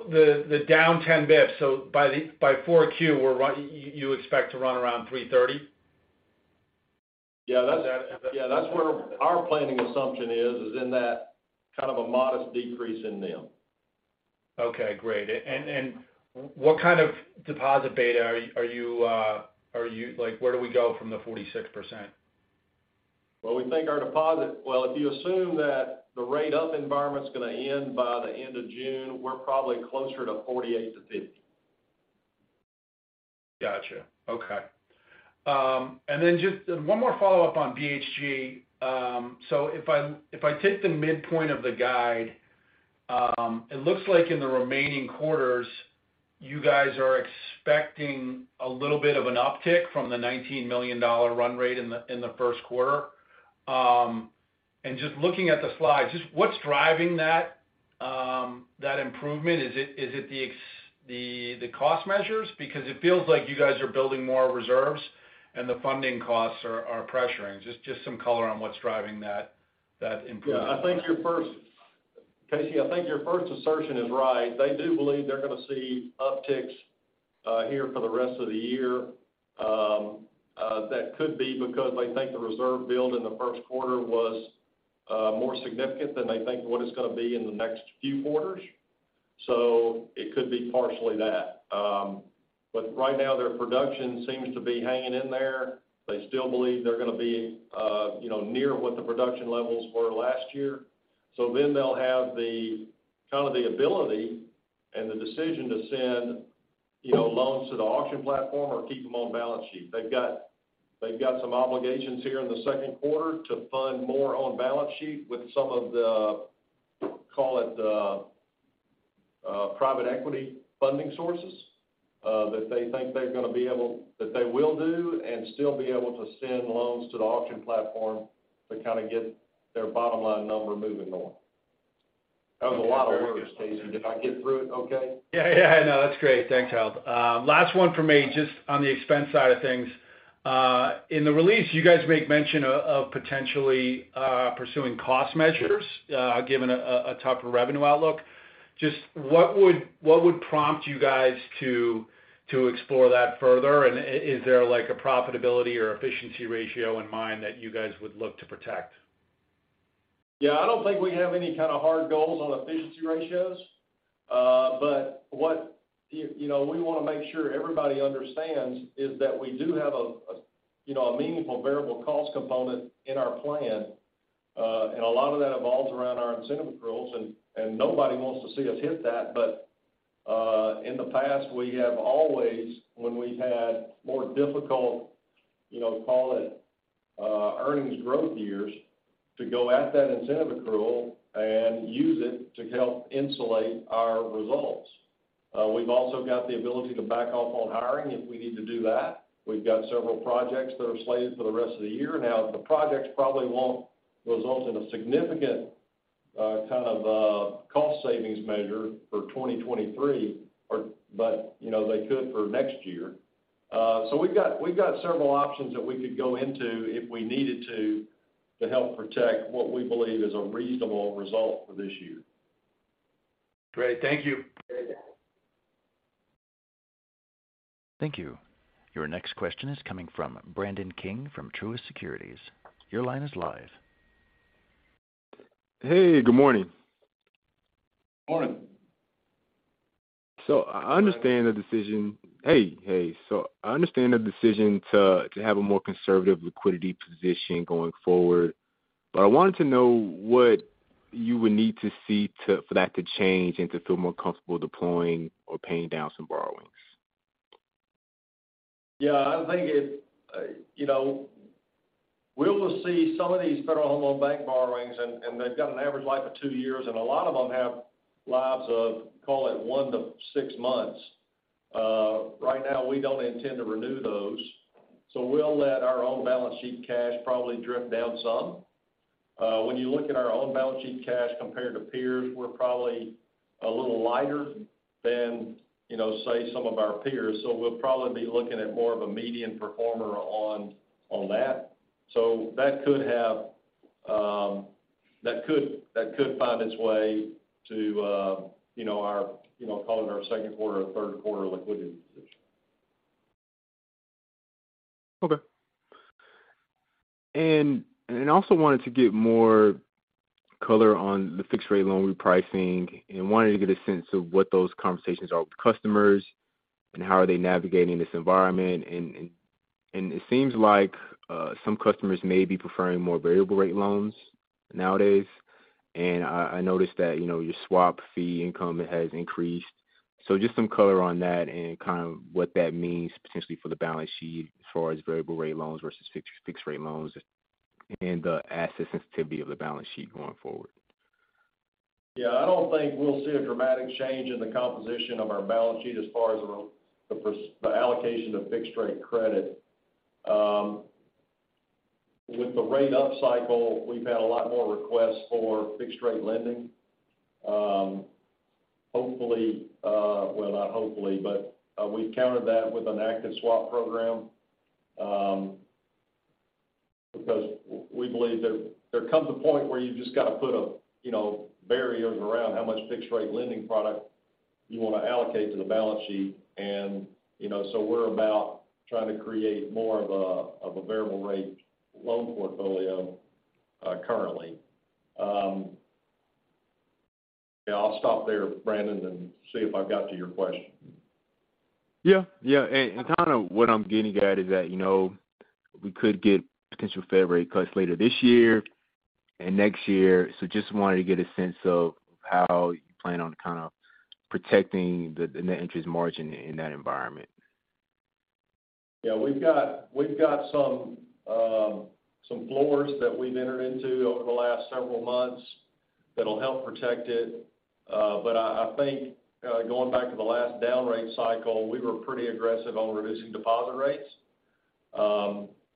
The down 10 basis points, so by 4Q, you expect to run around 3.30%? Yeah. That's where our planning assumption is in that kind of a modest decrease in NIM. Okay, great. What kind of deposit beta are you like, where do we go from the 46%? Well, if you assume that the rate up environment's gonna end by the end of June, we're probably closer to 48%-50%. Gotcha. Okay. Then just one more follow-up on BHG. If I take the midpoint of the guide, it looks like in the remaining quarters, you guys are expecting a little bit of an uptick from the $19 million run rate in the first quarter. Just looking at the slides, what's driving that improvement? Is it the cost measures? Because it feels like you guys are building more reserves and the funding costs are pressuring. Just some color on what's driving that improvement. Yeah. Casey, I think your first assertion is right. They do believe they're going to see upticks here for the rest of the year. That could be because they think the reserve build in the first quarter was more significant than they think what it's going to be in the next few quarters. It could be partially that. Right now their production seems to be hanging in there. They still believe they're going to be, you know, near what the production levels were last year. They'll have the, kind of the ability and the decision to send, you know, loans to the auction platform or keep them on balance sheet. They've got some obligations here in the second quarter to fund more on balance sheet with some of the, call it, Private equity funding sources, that they think that they will do and still be able to send loans to the auction platform to kind of get their bottom line number moving more. That was a lot of words, Jason. Did I get through it okay? Yeah, yeah. No, that's great. Thanks, Harold. Last one from me, just on the expense side of things. In the release, you guys make mention of potentially pursuing cost measures, given a tougher revenue outlook. Just what would prompt you guys to explore that further? Is there like a profitability or efficiency ratio in mind that you guys would look to protect? Yeah, I don't think we have any kind of hard goals on efficiency ratios. What, you know, we want to make sure everybody understands is that we do have a, you know, a meaningful variable cost component in our plan. A lot of that evolves around our incentive accruals, and nobody wants to see us hit that. In the past, we have always, when we've had more difficult, you know, call it, earnings growth years to go at that incentive accrual and use it to help insulate our results. We've also got the ability to back off on hiring if we need to do that. We've got several projects that are slated for the rest of the year. The projects probably won't result in a significant kind of cost savings measure for 2023, but, you know, they could for next year. We've got several options that we could go into if we needed to help protect what we believe is a reasonable result for this year. Great. Thank you. Thank you. Your next question is coming from Brandon King from Truist Securities. Your line is live. Hey, good morning. Morning. Hey. I understand the decision to have a more conservative liquidity position going forward, but I wanted to know what you would need to see for that to change and to feel more comfortable deploying or paying down some borrowings? Yeah, I think it's, you know, we'll see some of these Federal Home Loan Bank borrowings. They've got an average life of two years, and a lot of them have lives of, call it 1-6 months. Right now, we don't intend to renew those. We'll let our own balance sheet cash probably drift down some. When you look at our own balance sheet cash compared to peers, we're probably a little lighter than, you know, say, some of our peers. We'll probably be looking at more of a median performer on that. That could have, that could find its way to, you know, our, you know, call it our second quarter or third quarter liquidity position. Okay. I also wanted to get more color on the fixed rate loan repricing and wanted to get a sense of what those conversations are with customers and how are they navigating this environment. It seems like some customers may be preferring more variable rate loans nowadays. I noticed that, you know, your swap fee income has increased. Just some color on that and kind of what that means potentially for the balance sheet as far as variable rate loans versus fixed rate loans and the asset sensitivity of the balance sheet going forward. Yeah, I don't think we'll see a dramatic change in the composition of our balance sheet as far as the allocation of fixed rate credit. With the rate up cycle, we've had a lot more requests for fixed rate lending. Hopefully, well, not hopefully, but, we've countered that with an active swap program because we believe there comes a point where you just got to put a, you know, barriers around how much fixed rate lending product you want to allocate to the balance sheet. You know, we're about trying to create more of a variable rate loan portfolio currently. Yeah, I'll stop there, Brandon, and see if I've got to your question. Yeah. Yeah. Kind of what I'm getting at is that, you know, we could get potential Fed rate cuts later this year and next year. Just wanted to get a sense of how you plan on kind of protecting the net interest margin in that environment. Yeah, we've got some floors that we've entered into over the last several months that'll help protect it. I think going back to the last down rate cycle, we were pretty aggressive on reducing deposit rates.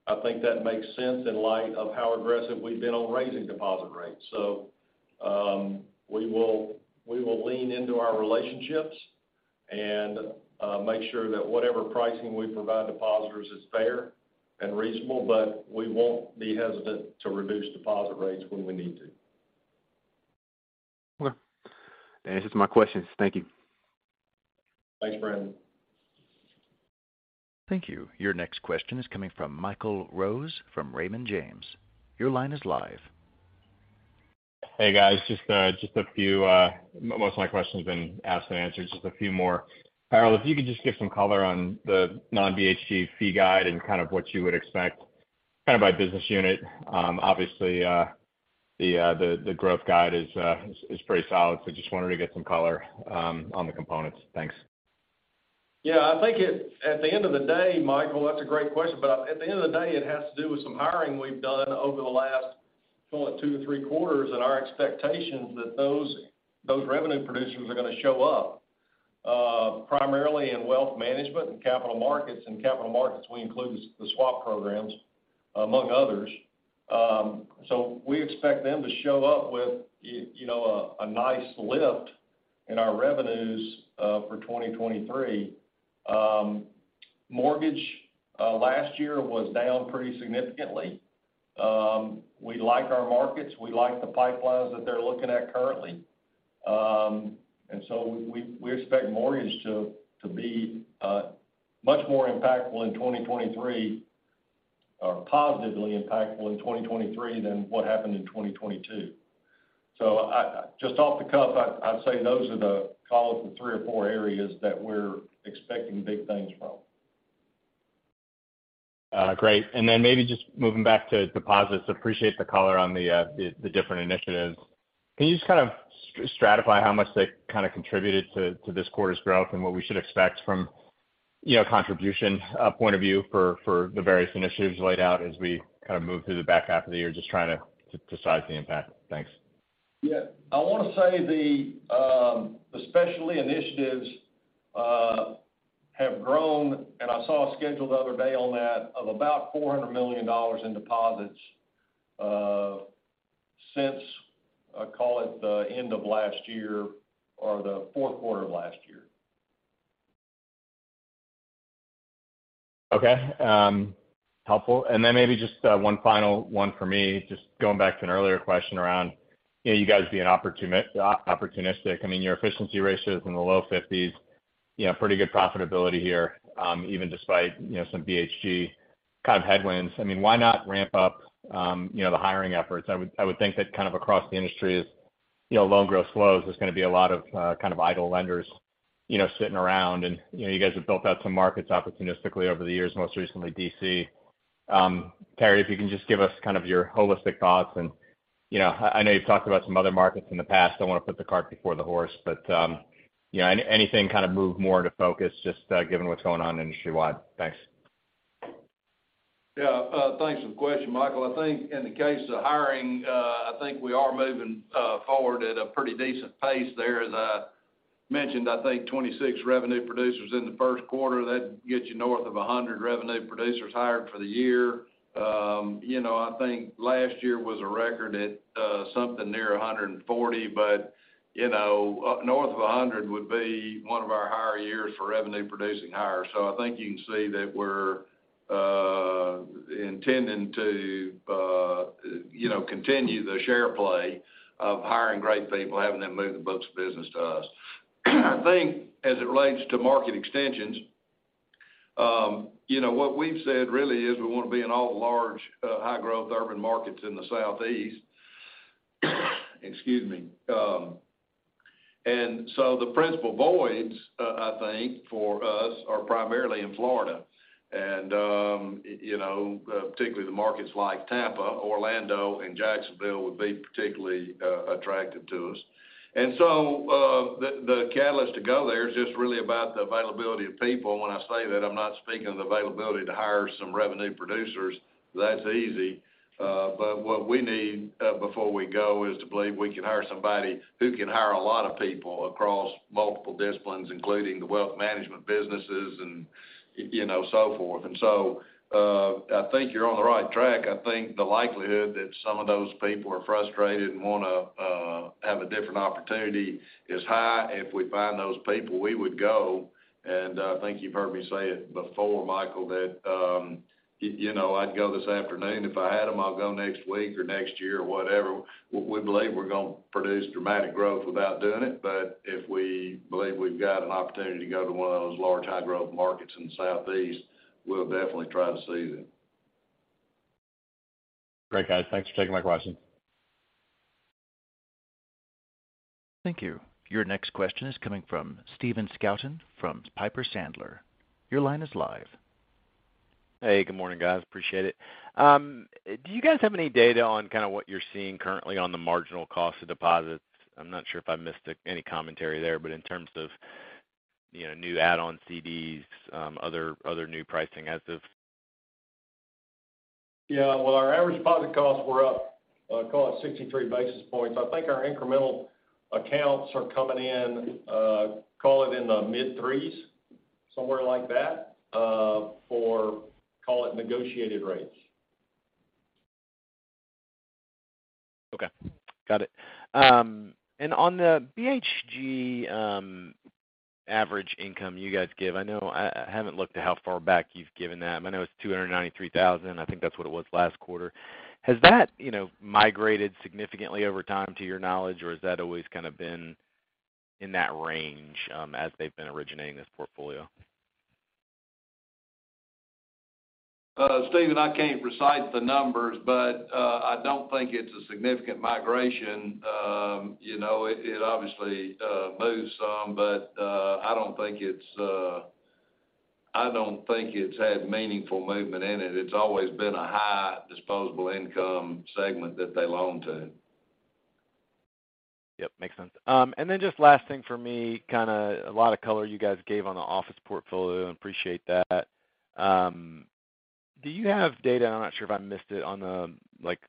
I think that makes sense in light of how aggressive we've been on raising deposit rates. We will lean into our relationships and make sure that whatever pricing we provide depositors is fair and reasonable, but we won't be hesitant to reduce deposit rates when we need to. Okay. That answers my questions. Thank you. Thanks, Brandon. Thank you. Your next question is coming from Michael Rose from Raymond James. Your line is live. Hey, guys. Just a few, most of my questions have been asked and answered. Just a few more. Harold, if you could just give some color on the non-BHG fee guide and kind of what you would expect kind of by business unit. Obviously, the growth guide is pretty solid. Just wanted to get some color on the components. Thanks. Yeah, I think it, at the end of the day, Michael, that's a great question. At the end of the day, it has to do with some hiring we've done over the last, call it, two to three quarters, and our expectations that those revenue producers are going to show up primarily in wealth management and capital markets. In capital markets, we include the swap programs, among others. We expect them to show up with, you know, a nice lift in our revenues for 2023. Mortgage last year was down pretty significantly. We like our markets, we like the pipelines that they're looking at currently. We expect mortgage to be much more impactful in 2023, or positively impactful in 2023 than what happened in 2022. just off the cuff, I'd say those are the call it the three or four areas that we're expecting big things from. Great. Then maybe just moving back to deposits. Appreciate the color on the different initiatives. Can you just kind of stratify how much they kind of contributed to this quarter's growth and what we should expect from, you know, contribution point of view for the various initiatives laid out as we kind of move through the back half of the year, just trying to size the impact? Thanks. Yeah. I want to say the, especially initiatives, have grown, and I saw a schedule the other day on that, of about $400 million in deposits, since, call it, the end of last year or the fourth quarter of last year. Okay. helpful. Then maybe just one final one for me, just going back to an earlier question around, you know, you guys being opportunistic. I mean, your efficiency ratio is in the low 50s, you know, pretty good profitability here, even despite, you know, some BHG kind of headwinds. I mean, why not ramp up, you know, the hiring efforts? I would think that kind of across the industry as, you know, loan growth slows, there's going to be a lot of kind of idle lenders, you know, sitting around. You know, you guys have built out some markets opportunistically over the years, most recently D.C. Terry, if you can just give us kind of your holistic thoughts. You know, I know you've talked about some other markets in the past. Don't want to put the cart before the horse. You know, anything kind of moved more into focus just given what's going on industry-wide? Thanks. Thanks for the question, Michael. I think in the case of hiring, I think we are moving forward at a pretty decent pace there. As I mentioned, I think 26 revenue producers in the first quarter. That gets you north of 100 revenue producers hired for the year. you know, I think last year was a record at something near 140. you know, north of 100 would be one of our higher years for revenue producing hires. I think you can see that we're intending to, you know, continue the share play of hiring great people, having them move the books of business to us. I think as it relates to market extensions, you know, what we've said really is we want to be in all the large, high growth urban markets in the Southeast. Excuse me. The principal voids, I think, for us are primarily in Florida. You know, particularly the markets like Tampa, Orlando, and Jacksonville would be particularly attractive to us. The catalyst to go there is just really about the availability of people. When I say that, I'm not speaking of the availability to hire some revenue producers. That's easy. But what we need before we go is to believe we can hire somebody who can hire a lot of people across multiple disciplines, including the wealth management businesses and, you know, so forth. I think you're on the right track. I think the likelihood that some of those people are frustrated and want to have a different opportunity is high. If we find those people, we would go. I think you've heard me say it before, Michael, that, you know, I'd go this afternoon if I had them. I'll go next week or next year or whatever. We believe we're going to produce dramatic growth without doing it. If we believe we've got an opportunity to go to one of those large high-growth markets in the Southeast, we'll definitely try to seize it. Great, guys. Thanks for taking my questions. Thank you. Your next question is coming from Stephen Scouten from Piper Sandler. Your line is live. Hey, good morning, guys. Appreciate it. Do you guys have any data on kind of what you're seeing currently on the marginal cost of deposits? I'm not sure if I missed any commentary there, but in terms of, you know, new add-on CDs, other new pricing as of. Yeah. Well, our average deposit costs were up, call it 63 basis points. I think our incremental accounts are coming in, call it in the mid threes, somewhere like that, for call it negotiated rates. Okay. Got it. On the BHG, average income you guys give, I know I haven't looked at how far back you've given that, but I know it's $293,000. I think that's what it was last quarter. Has that, you know, migrated significantly over time to your knowledge, or has that always kind of been in that range, as they've been originating this portfolio? Steven, I can't recite the numbers, but I don't think it's a significant migration. You know, it obviously moves some, but I don't think it's, I don't think it's had meaningful movement in it. It's always been a high disposable income segment that they loan to. Yep, makes sense. Just last thing for me, kind of a lot of color you guys gave on the office portfolio. Appreciate that. Do you have data, I'm not sure if I missed it, on the, like,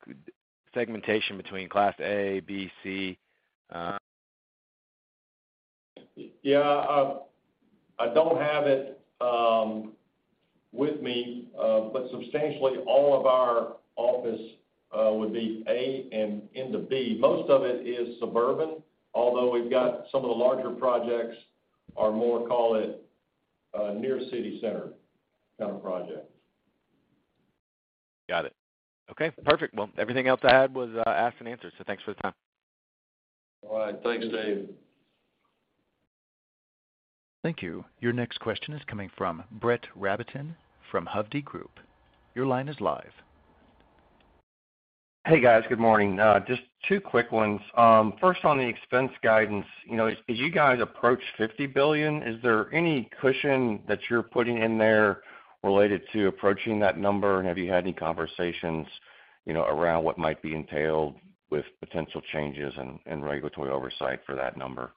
segmentation between class A, B, C? Yeah. I don't have it with me, but substantially all of our office would be A and into B. Most of it is suburban, although we've got some of the larger projects are more, call it, near city center kind of projects. Got it. Okay, perfect. Everything else I had was asked and answered, so thanks for the time. All right. Thanks, Steve. Thank you. Your next question is coming from Brett Rabatin from Hovde Group. Your line is live. Hey, guys. Good morning. Just two quick ones. First on the expense guidance. You know, as you guys approach $50 billion, is there any cushion that you're putting in there related to approaching that number? Have you had any conversations, you know, around what might be entailed with potential changes and regulatory oversight for that number?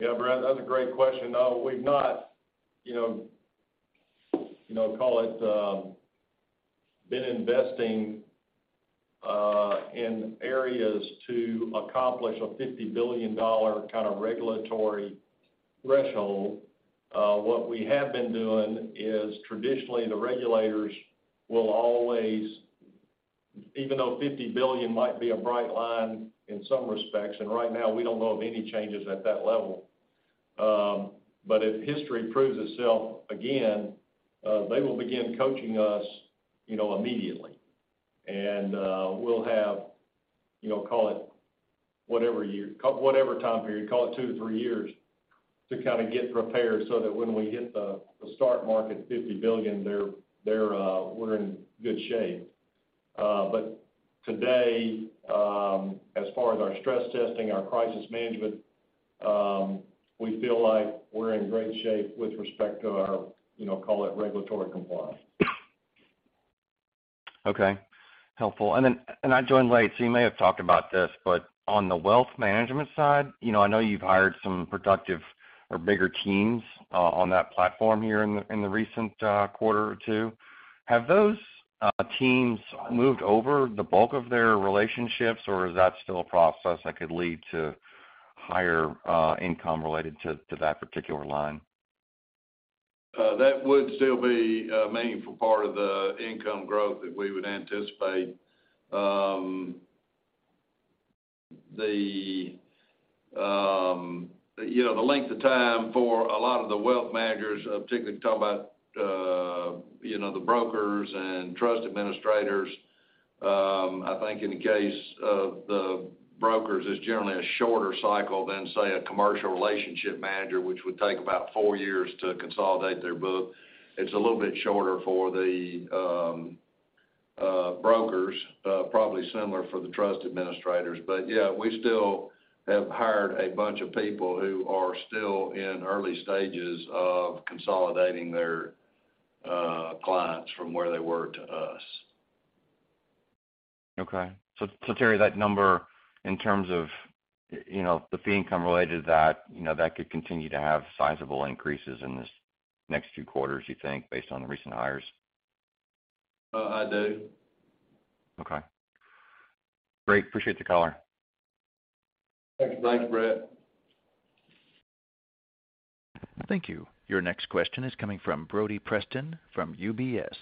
Yeah, Brett, that's a great question. No, we've not, you know, you know, call it, been investing in areas to accomplish a $50 billion kind of regulatory threshold. What we have been doing is, traditionally the regulators will always. Even though $50 billion might be a bright line in some respects, and right now we don't know of any changes at that level, if history proves itself again, they will begin coaching us, you know, immediately. We'll have, you know, call it whatever year, whatever time period, call it 2-3 years to kind of get prepared so that when we hit the start market, $50 billion, they're we're in good shape. Today, as far as our stress testing, our crisis management, we feel like we're in great shape with respect to our, call it regulatory compliance. Okay. Helpful. I joined late, so you may have talked about this, but on the wealth management side, you know, I know you've hired some productive or bigger teams, on that platform here in the recent quarter or two. Have those teams moved over the bulk of their relationships, or is that still a process that could lead to higher income related to that particular line? That would still be a meaningful part of the income growth that we would anticipate. The, you know, the length of time for a lot of the wealth managers, I'm particularly talking about, you know, the brokers and trust administrators, I think in the case of the brokers, it's generally a shorter cycle than, say, a commercial relationship manager, which would take about four years to consolidate their book. It's a little bit shorter for the brokers, probably similar for the trust administrators. Yeah, we still have hired a bunch of people who are still in early stages of consolidating their clients from where they were to us. Okay. Terry, that number in terms of, you know, the fee income related to that, you know, that could continue to have sizable increases in this next few quarters, you think, based on the recent hires? I do. Okay. Great. Appreciate the color. Thank you. Thanks, Brett. Thank you. Your next question is coming from Brody Preston from UBS.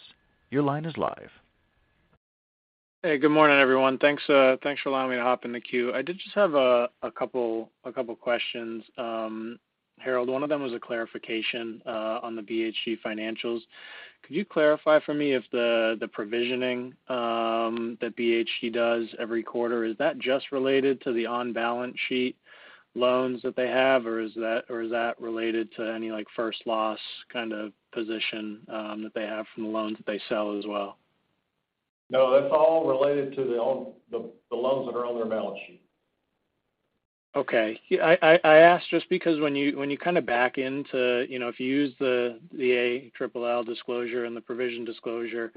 Your line is live. Hey, good morning, everyone. Thanks, thanks for allowing me to hop in the queue. I did just have a couple questions. Harold, one of them was a clarification on the BHG financials. Could you clarify for me if the provisioning that BHG does every quarter, is that just related to the on-balance sheet loans that they have, or is that related to any like first loss kind of position that they have from the loans that they sell as well? No, that's all related to the loans that are on their balance sheet. Okay. I ask just because when you kind of back into, you know, if you use the ALLL disclosure and the provision disclosure,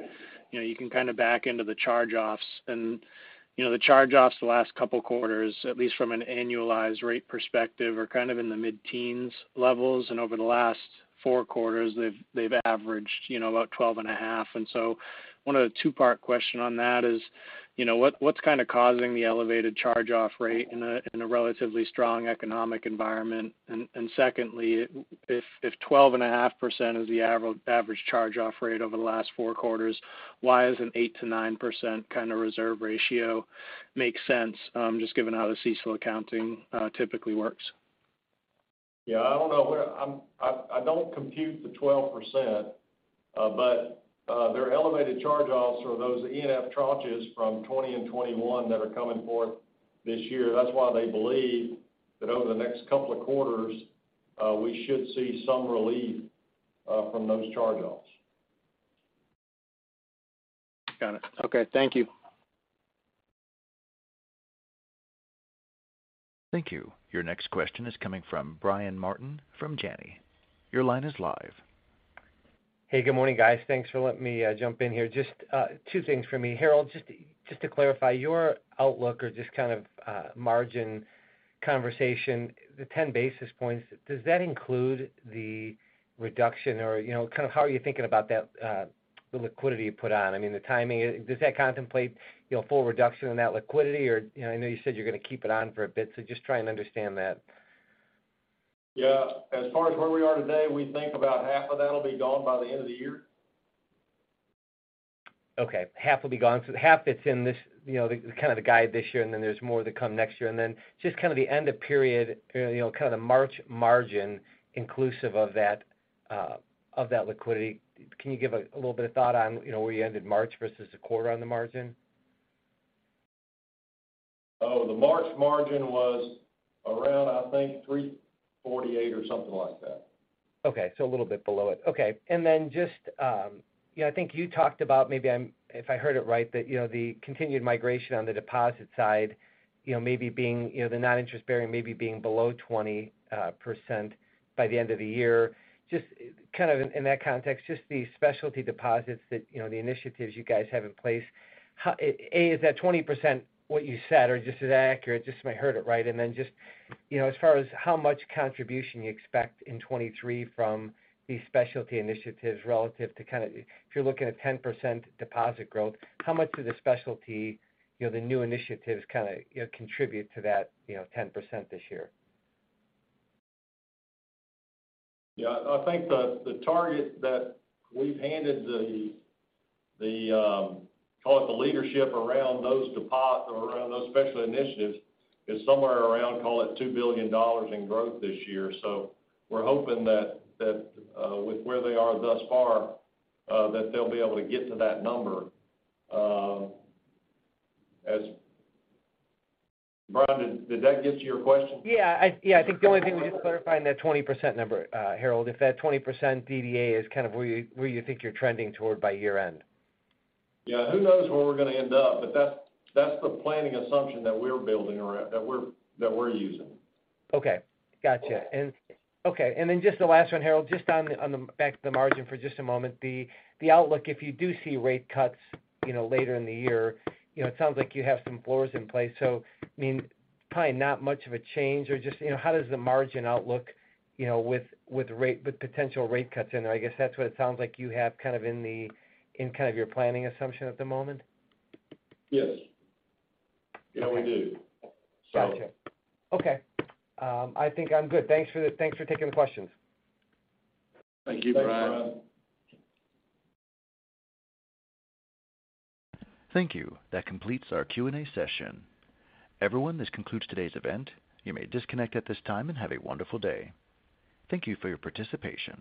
you know, you can kind of back into the charge-offs. You know, the charge-offs the last couple quarters, at least from an annualized rate perspective, are kind of in the mid-teens levels. Over the last four quarters, they've averaged, you know, about 12.5. One of the two-part question on that is, you know, what's kind of causing the elevated charge-off rate in a relatively strong economic environment? Secondly, if 12.5% is the average charge-off rate over the last four quarters, why is an 8%-9% kind of reserve ratio make sense, just given how the CECL accounting typically works? Yeah, I don't know. I don't compute the 12%. Their elevated charge-offs are those ENF tranches from 20 and 21 that are coming forth this year. That's why they believe that over the next couple of quarters, we should see some relief from those charge-offs. Got it. Okay. Thank you. Thank you. Your next question is coming from Brian Martin from Janney. Your line is live. Hey, good morning, guys. Thanks for letting me jump in here. Just two things for me. Harold, just to clarify your outlook or just kind of margin conversation, the 10 basis points, does that include the reduction? You know, kind of how are you thinking about that, the liquidity you put on? I mean, the timing, does that contemplate, you know, full reduction in that liquidity or? You know, I know you said you're gonna keep it on for a bit, so just trying to understand that. Yeah. As far as where we are today, we think about half of that will be gone by the end of the year. Okay. Half will be gone. Half it's in this, you know, the kind of the guide this year, there's more to come next year. Just kind of the end of period, you know, kind of the March margin inclusive of that of that liquidity. Can you give a little bit of thought on, you know, where you ended March versus the quarter on the margin? Oh, the March margin was around, I think, 348% or something like that. A little bit below it. Then just, you know, I think you talked about if I heard it right, that, you know, the continued migration on the deposit side, you know, maybe being, you know, the non-interest bearing maybe being below 20% by the end of the year. In that context, the specialty deposits that, you know, the initiatives you guys have in place. A, is that 20% what you said? Or is that accurate, if I heard it right. Just, you know, as far as how much contribution you expect in 2023 from these specialty initiatives relative to kind of if you're looking at 10% deposit growth, how much of the specialty, you know, the new initiatives kind of, you know, contribute to that, you know, 10% this year? Yeah. I think the call it the leadership around those deposit or around those special initiatives is somewhere around, call it $2 billion in growth this year. We're hoping that with where they are thus far, that they'll be able to get to that number. Brian, did that get to your question? Yeah, I think the only thing was just clarifying that 20% number, Harold. If that 20% DDA is kind of where you, where you think you're trending toward by year-end. Who knows where we're gonna end up, but that's the planning assumption that we're building around, that we're using. Okay. Gotcha. Okay, and then just the last one, Harold, just on the back to the margin for just a moment. The outlook, if you do see rate cuts, you know, later in the year, you know, it sounds like you have some floors in place, so I mean, probably not much of a change or just, you know, how does the margin outlook, you know, with rate, with potential rate cuts in there? I guess that's what it sounds like you have kind of in kind of your planning assumption at the moment. Yes. Yeah, we do. Gotcha. Okay. I think I'm good. Thanks for taking the questions. Thank you, Brian. Thank you. That completes our Q&A session. Everyone, this concludes today's event. You may disconnect at this time and have a wonderful day. Thank you for your participation.